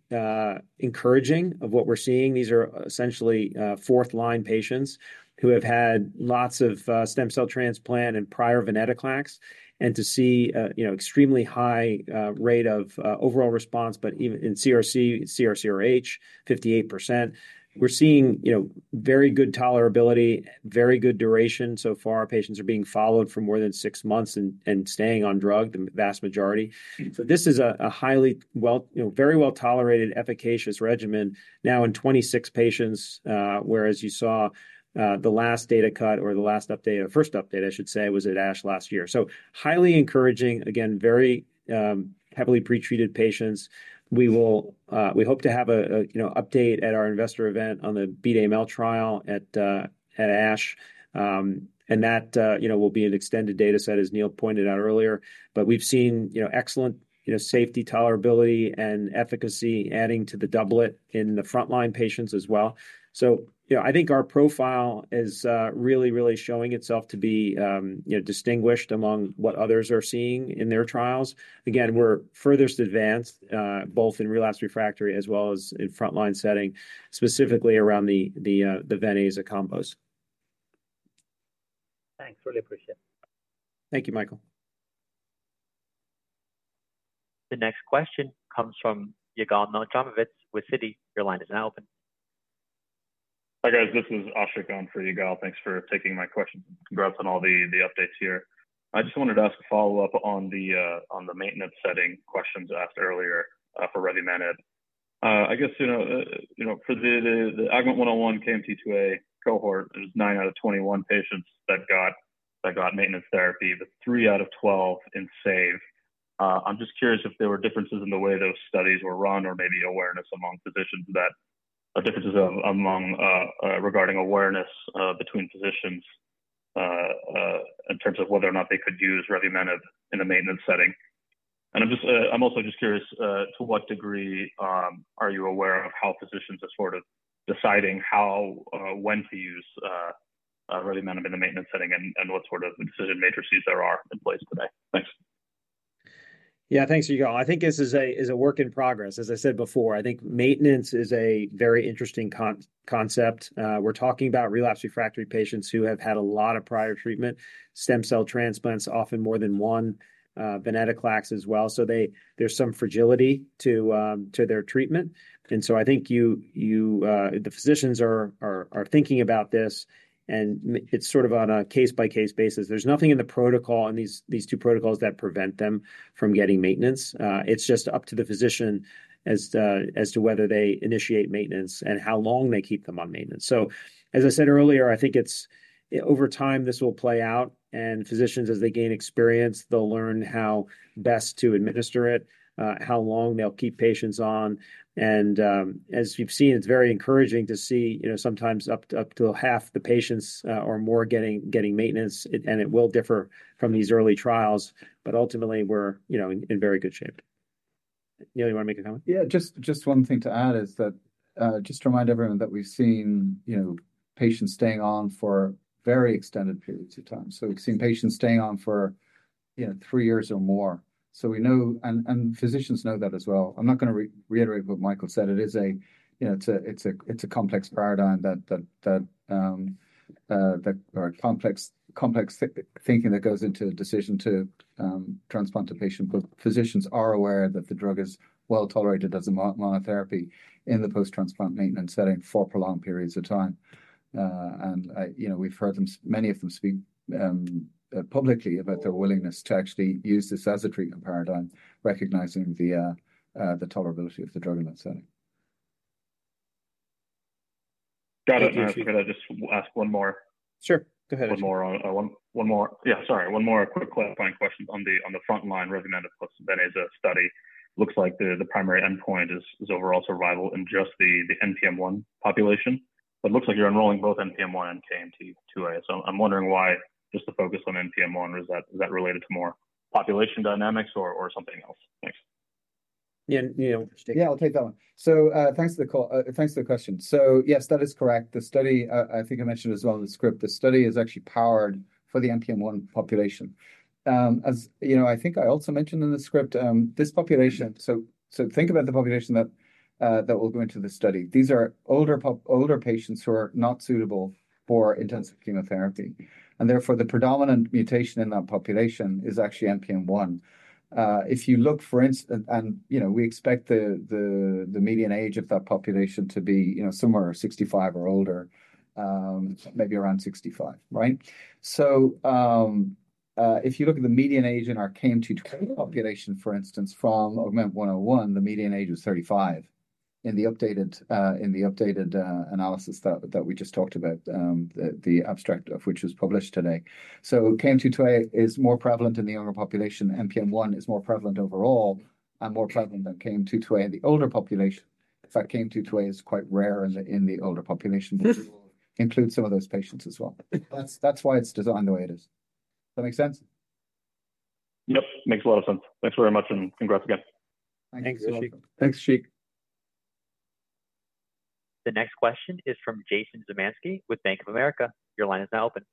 encouraging of what we're seeing. These are essentially fourth-line patients who have had lots of stem cell transplant and prior venetoclax and to see extremely high rate of overall response, but even in CR/CRh, 58%. We're seeing very good tolerability, very good duration so far. Patients are being followed for more than six months and staying on drug, the vast majority. So this is a very well-tolerated, efficacious regimen. Now in 26 patients, whereas you saw the last data cut or the last update, or first update, I should say, was at ASH last year. So highly encouraging, again, very heavily pretreated patients. We hope to have an update at our investor event on the BEAT-AML trial at ASH. And that will be an extended dataset, as Neil pointed out earlier. But we've seen excellent safety, tolerability, and efficacy adding to the doublet in the frontline patients as well. So I think our profile is really, really showing itself to be distinguished among what others are seeing in their trials. Again, we're furthest advanced both in relapse refractory as well as in frontline setting, specifically around the VenAza and combos. Thanks. Really appreciate it. Thank you, Michael. The next question comes from Yigal Nochomovitz with Citi. Your line is now open. Hi, guys. This is Ashiq for Yigal. Thanks for taking my questions and congrats on all the updates here. I just wanted to ask a follow-up on the maintenance setting questions asked earlier for revumenib. I guess for the AUGMENT-101 KMT2A cohort, there's nine out of 21 patients that got maintenance therapy, but three out of 12 in SAVE. I'm just curious if there were differences in the way those studies were run or maybe awareness among physicians that are differences regarding awareness between physicians in terms of whether or not they could use revumenib in a maintenance setting. And I'm also just curious to what degree are you aware of how physicians are sort of deciding when to use revumenib in a maintenance setting and what sort of decision matrices there are in place today? Thanks. Yeah, thanks, Yigal. I think this is a work in progress. As I said before, I think maintenance is a very interesting concept. We're talking about relapse refractory patients who have had a lot of prior treatment, stem cell transplants, often more than one, venetoclax as well. So there's some fragility to their treatment. And so, I think the physicians are thinking about this, and it's sort of on a case-by-case basis. There's nothing in the protocol in these two protocols that prevent them from getting maintenance. It's just up to the physician as to whether they initiate maintenance and how long they keep them on maintenance. So, as I said earlier, I think over time this will play out. And physicians, as they gain experience, they'll learn how best to administer it, how long they'll keep patients on. And as you've seen, it's very encouraging to see sometimes up to half the patients or more getting maintenance. And it will differ from these early trials. But ultimately, we're in very good shape. Neil, you want to make a comment? Yeah, just one thing to add is that just to remind everyone that we've seen patients staying on for very extended periods of time. So we've seen patients staying on for three years or more. And physicians know that as well. I'm not going to reiterate what Michael said. It's a complex paradigm or complex thinking that goes into a decision to transplant a patient. But physicians are aware that the drug is well tolerated as a monotherapy in the post-transplant maintenance setting for prolonged periods of time. And we've heard many of them speak publicly about their willingness to actually use this as a treatment paradigm, recognizing the tolerability of the drug in that setting. Got it. Can I just ask one more? Sure. Go ahead. One more. Yeah, sorry. One more quick clarifying question. On the frontline, revumenib plus VenAza study, looks like the primary endpoint is overall survival in just the NPM1 population. But it looks like you're enrolling both NPM1 and KMT2A. So I'm wondering why just the focus on NPM1. Is that related to more population dynamics or something else? Thanks. Yeah, I'll take that one, so thanks for the question. So yes, that is correct. The study, I think I mentioned as well in the script, the study is actually powered for the NPM1 population. As I think I also mentioned in the script, this population, so think about the population that will go into the study. These are older patients who are not suitable for intensive chemotherapy. And therefore, the predominant mutation in that population is actually NPM1. If you look, for instance, and we expect the median age of that population to be somewhere 65 or older, maybe around 65, right? So, if you look at the median age in our KMT2A population, for instance, from AUGMENT-101, the median age is 35 in the updated analysis that we just talked about, the abstract of which was published today. So KMT2A is more prevalent in the younger population. NPM1 is more prevalent overall and more prevalent than KMT2A in the older population. In fact, KMT2A is quite rare in the older population. But we will include some of those patients as well. That's why it's designed the way it is. Does that make sense? Yep. Makes a lot of sense. Thanks very much and congrats again. Thanks, Ashiq. Thanks, Ashiq. The next question is from Jason Zemansky with Bank of America. Your line is now open.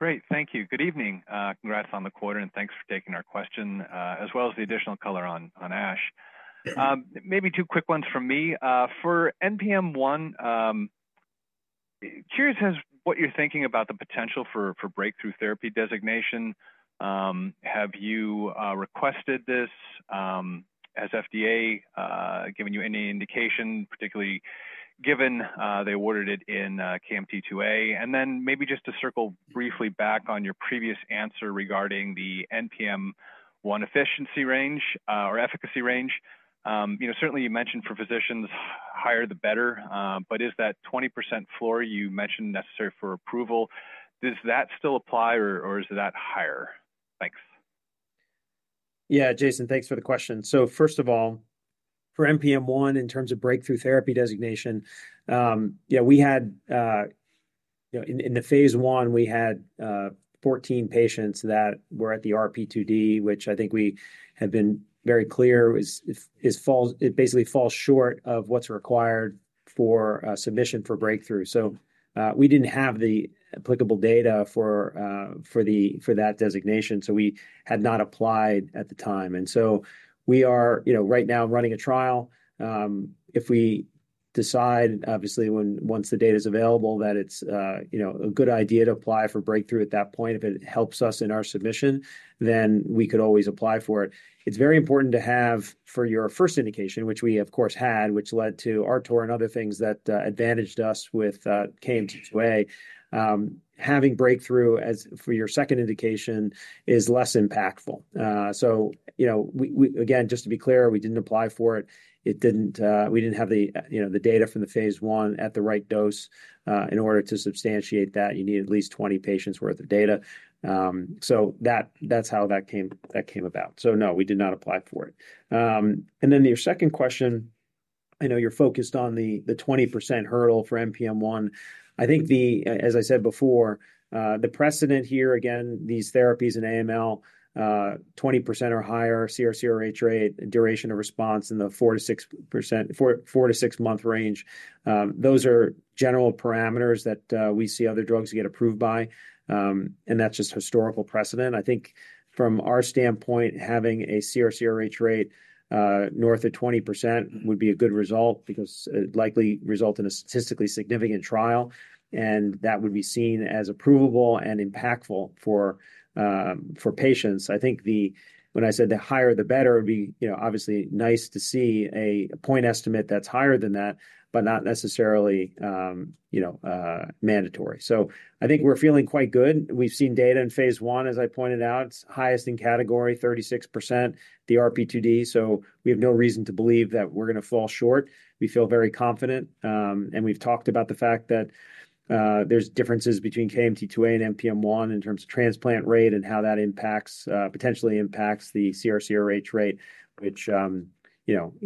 Great. Thank you. Good evening. Congrats on the quarter, and thanks for taking our question, as well as the additional color on ASH. Maybe two quick ones from me. For NPM1, curious as to what you're thinking about the potential for Breakthrough Therapy designation. Have you requested this? Has FDA given you any indication, particularly given they awarded it in KMT2A? And then maybe just to circle briefly back on your previous answer regarding the NPM1 efficacy range. Certainly, you mentioned for physicians, higher the better. But is that 20% floor you mentioned necessary for approval, does that still apply or is that higher? Thanks. Yeah, Jason, thanks for the question. So first of all, for NPM1 in terms of breakthrough therapy designation, yeah, in the phase I, we had 14 patients that were at the RP2D, which I think we have been very clear is basically falls short of what's required for submission for breakthrough. So we didn't have the applicable data for that designation. So we had not applied at the time. And so we are right now running a trial. If we decide, obviously, once the data is available, that it's a good idea to apply for breakthrough at that point, if it helps us in our submission, then we could always apply for it. It's very important to have for your first indication, which we, of course, had, which led to our approval and other things that advantaged us with KMT2A, having breakthrough for your second indication is less impactful. So again, just to be clear, we didn't apply for it. We didn't have the data from the phase one at the right dose. In order to substantiate that, you need at least 20 patients' worth of data. So that's how that came about. So no, we did not apply for it. And then your second question, I know you're focused on the 20% hurdle for NPM1. I think, as I said before, the precedent here, again, these therapies in AML, 20% or higher, CR/CRh rate, duration of response in the four to six month range, those are general parameters that we see other drugs get approved by. And that's just historical precedent. I think from our standpoint, having a CR/CRh rate north of 20% would be a good result because it'd likely result in a statistically significant trial. And that would be seen as approvable and impactful for patients. I think when I said the higher, the better, it would be obviously nice to see a point estimate that's higher than that, but not necessarily mandatory. So I think we're feeling quite good. We've seen data in phase one, as I pointed out, highest in category, 36%, the RP2D. So we have no reason to believe that we're going to fall short. We feel very confident. And we've talked about the fact that there's differences between KMT2A and NPM1 in terms of transplant rate and how that potentially impacts the CR/CRh rate, which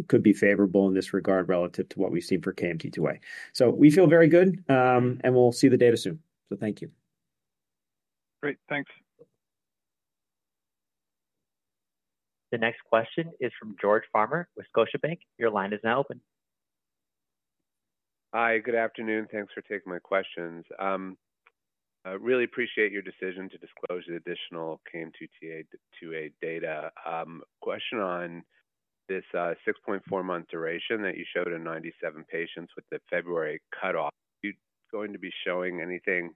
could be favorable in this regard relative to what we've seen for KMT2A. So we feel very good. And we'll see the data soon. So thank you. Great. Thanks. The next question is from George Farmer with Scotiabank. Your line is now open. Hi, good afternoon. Thanks for taking my questions. I really appreciate your decision to disclose the additional KMT2A data. Question on this 6.4-month duration that you showed in 97 patients with the February cutoff. Are you going to be showing anything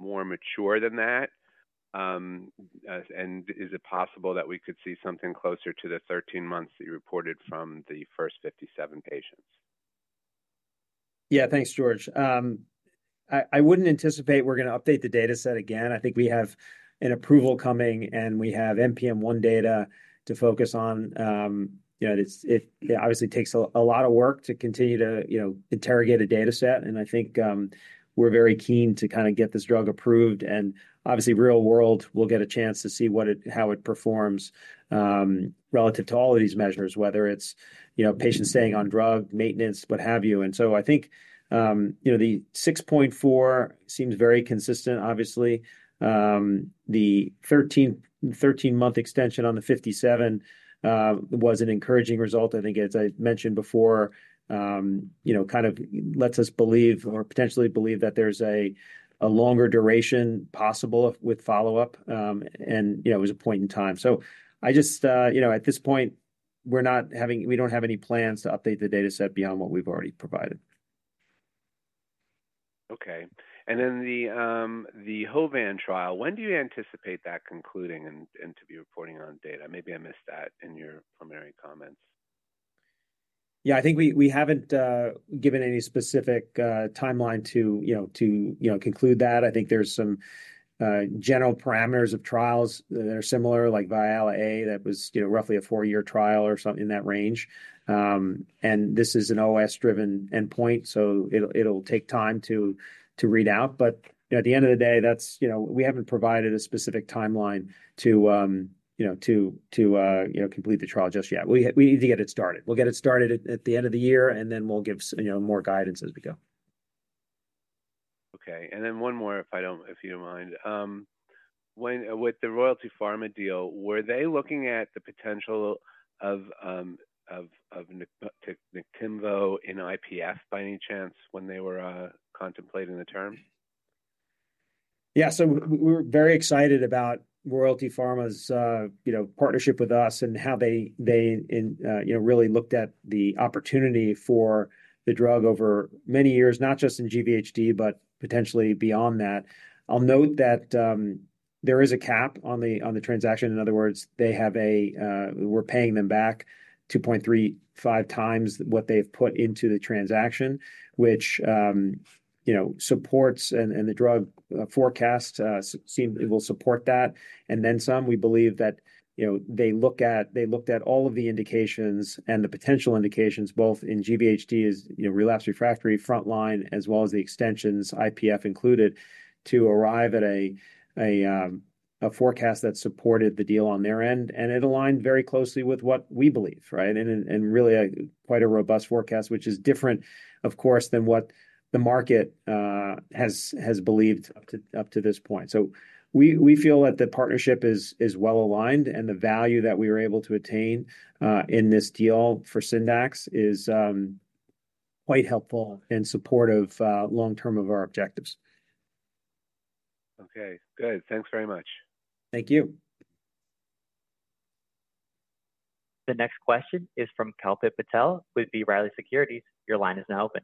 more mature than that? And is it possible that we could see something closer to the 13 months that you reported from the first 57 patients? Yeah, thanks, George. I wouldn't anticipate we're going to update the dataset again. I think we have an approval coming, and we have NPM1 data to focus on. It obviously takes a lot of work to continue to interrogate a dataset. And I think we're very keen to kind of get this drug approved. And obviously, real world, we'll get a chance to see how it performs relative to all of these measures, whether it's patients staying on drug, maintenance, what have you. And so I think the 6.4 seems very consistent, obviously. The 13-month extension on the 57 was an encouraging result. I think, as I mentioned before, kind of lets us believe or potentially believe that there's a longer duration possible with follow-up. And it was a point in time. So at this point, we don't have any plans to update the dataset beyond what we've already provided. Okay. And then the HOVON trial, when do you anticipate that concluding and to be reporting on data? Maybe I missed that in your primary comments. Yeah, I think we haven't given any specific timeline to conclude that. I think there's some general parameters of trials that are similar, like VIALE-A that was roughly a four-year trial or something in that range, and this is an OS-driven endpoint, so it'll take time to read out, but at the end of the day, we haven't provided a specific timeline to complete the trial just yet. We need to get it started. We'll get it started at the end of the year, and then we'll give more guidance as we go. Okay. And then one more, if you don't mind. With the Royalty Pharma deal, were they looking at the potential of Niktimvo in IPF by any chance when they were contemplating the term? Yeah. So we were very excited about Royalty Pharma's partnership with us and how they really looked at the opportunity for the drug over many years, not just in GVHD, but potentially beyond that. I'll note that there is a cap on the transaction. In other words, we're paying them back 2.35 times what they've put into the transaction, which supports, and the drug forecast will support that. And then some, we believe that they looked at all of the indications and the potential indications, both in GVHD, relapse refractory, as well as the extensions, IPF included, to arrive at a forecast that supported the deal on their end. And it aligned very closely with what we believe, right? And really quite a robust forecast, which is different, of course, than what the market has believed up to this point. So we feel that the partnership is well aligned. And the value that we were able to attain in this deal for Syndax is quite helpful and supportive long-term of our objectives. Okay. Good. Thanks very much. Thank you. The next question is from Kalpit Patel with B. Riley Securities. Your line is now open.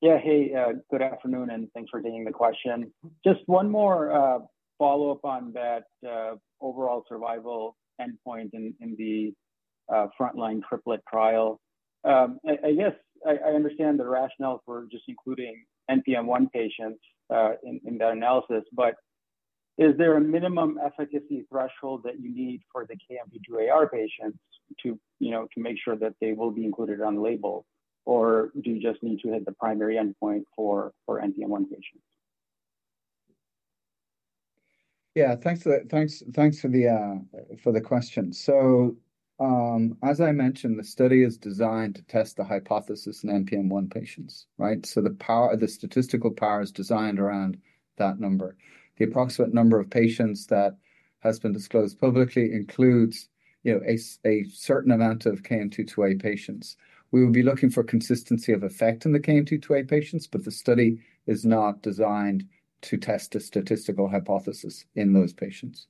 Yeah. Hey, good afternoon, and thanks for taking the question. Just one more follow-up on that overall survival endpoint in the frontline trial. I guess I understand the rationale for just including NPM1 patients in that analysis, but is there a minimum efficacy threshold that you need for the KMT2Ar patients to make sure that they will be included on the label? Or do you just need to hit the primary endpoint for NPM1 patients? Yeah. Thanks for the question. So as I mentioned, the study is designed to test the hypothesis in NPM1 patients, right? So the statistical power is designed around that number. The approximate number of patients that has been disclosed publicly includes a certain amount of KMT2A patients. We will be looking for consistency of effect in the KMT2A patients, but the study is not designed to test a statistical hypothesis in those patients.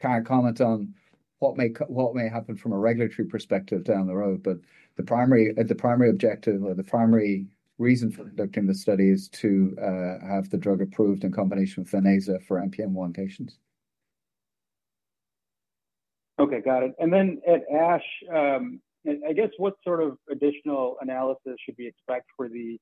Can I comment on what may happen from a regulatory perspective down the road? But the primary objective or the primary reason for conducting the study is to have the drug approved in combination with VenAza for NPM1 patients. Okay. Got it. And then at ASH, I guess what sort of additional analysis should we expect for the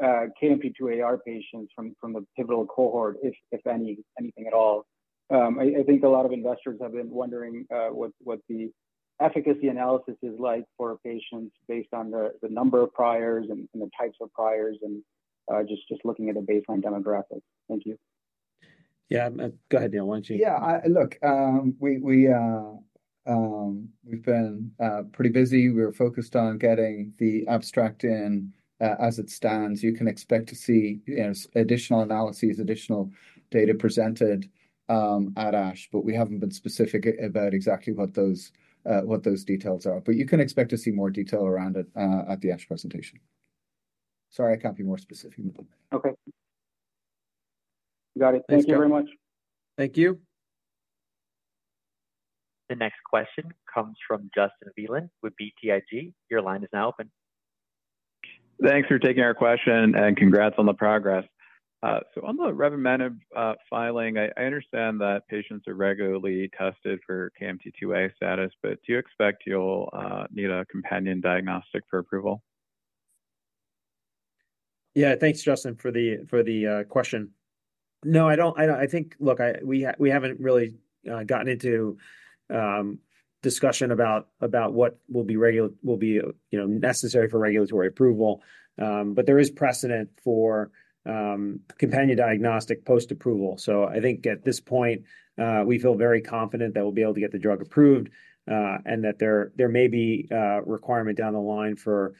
KMT2A patients from the pivotal cohort, if anything at all? I think a lot of investors have been wondering what the efficacy analysis is like for patients based on the number of priors and the types of priors and just looking at the baseline demographics. Thank you. Yeah. Go ahead, Neil. Why don't you? Yeah. Look, we've been pretty busy. We were focused on getting the abstract in as it stands. You can expect to see additional analyses, additional data presented at ASH, but we haven't been specific about exactly what those details are. But you can expect to see more detail around it at the ASH presentation. Sorry, I can't be more specific. Okay. Got it. Thank you very much. Thank you. The next question comes from Justin Zelin with BTIG. Your line is now open. Thanks for taking our question and congrats on the progress. So on the revumenib filing, I understand that patients are regularly tested for KMT2A status, but do you expect you'll need a companion diagnostic for approval? Yeah. Thanks, Justin, for the question. No, I don't. I think, look, we haven't really gotten into discussion about what will be necessary for regulatory approval. But there is precedent for companion diagnostic post-approval. So I think at this point, we feel very confident that we'll be able to get the drug approved and that there may be a requirement down the line for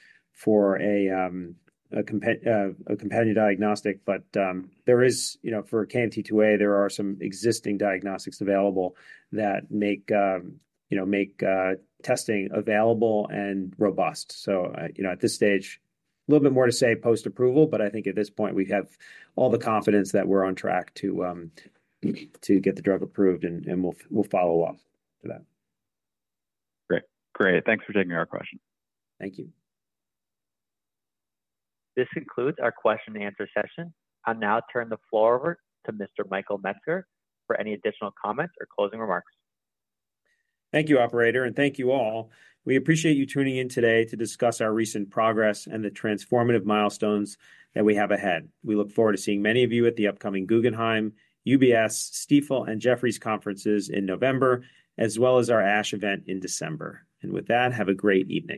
a companion diagnostic. But for KMT2A, there are some existing diagnostics available that make testing available and robust. So at this stage, a little bit more to say post-approval, but I think at this point, we have all the confidence that we're on track to get the drug approved, and we'll follow up for that. Great. Great. Thanks for taking our question. Thank you. This concludes our question-and-answer session. I'll now turn the floor over to Mr. Michael Metzger for any additional comments or closing remarks. Thank you, Operator, and thank you all. We appreciate you tuning in today to discuss our recent progress and the transformative milestones that we have ahead. We look forward to seeing many of you at the upcoming Guggenheim, UBS, Stifel, and Jefferies conferences in November, as well as our ASH event in December. And with that, have a great evening.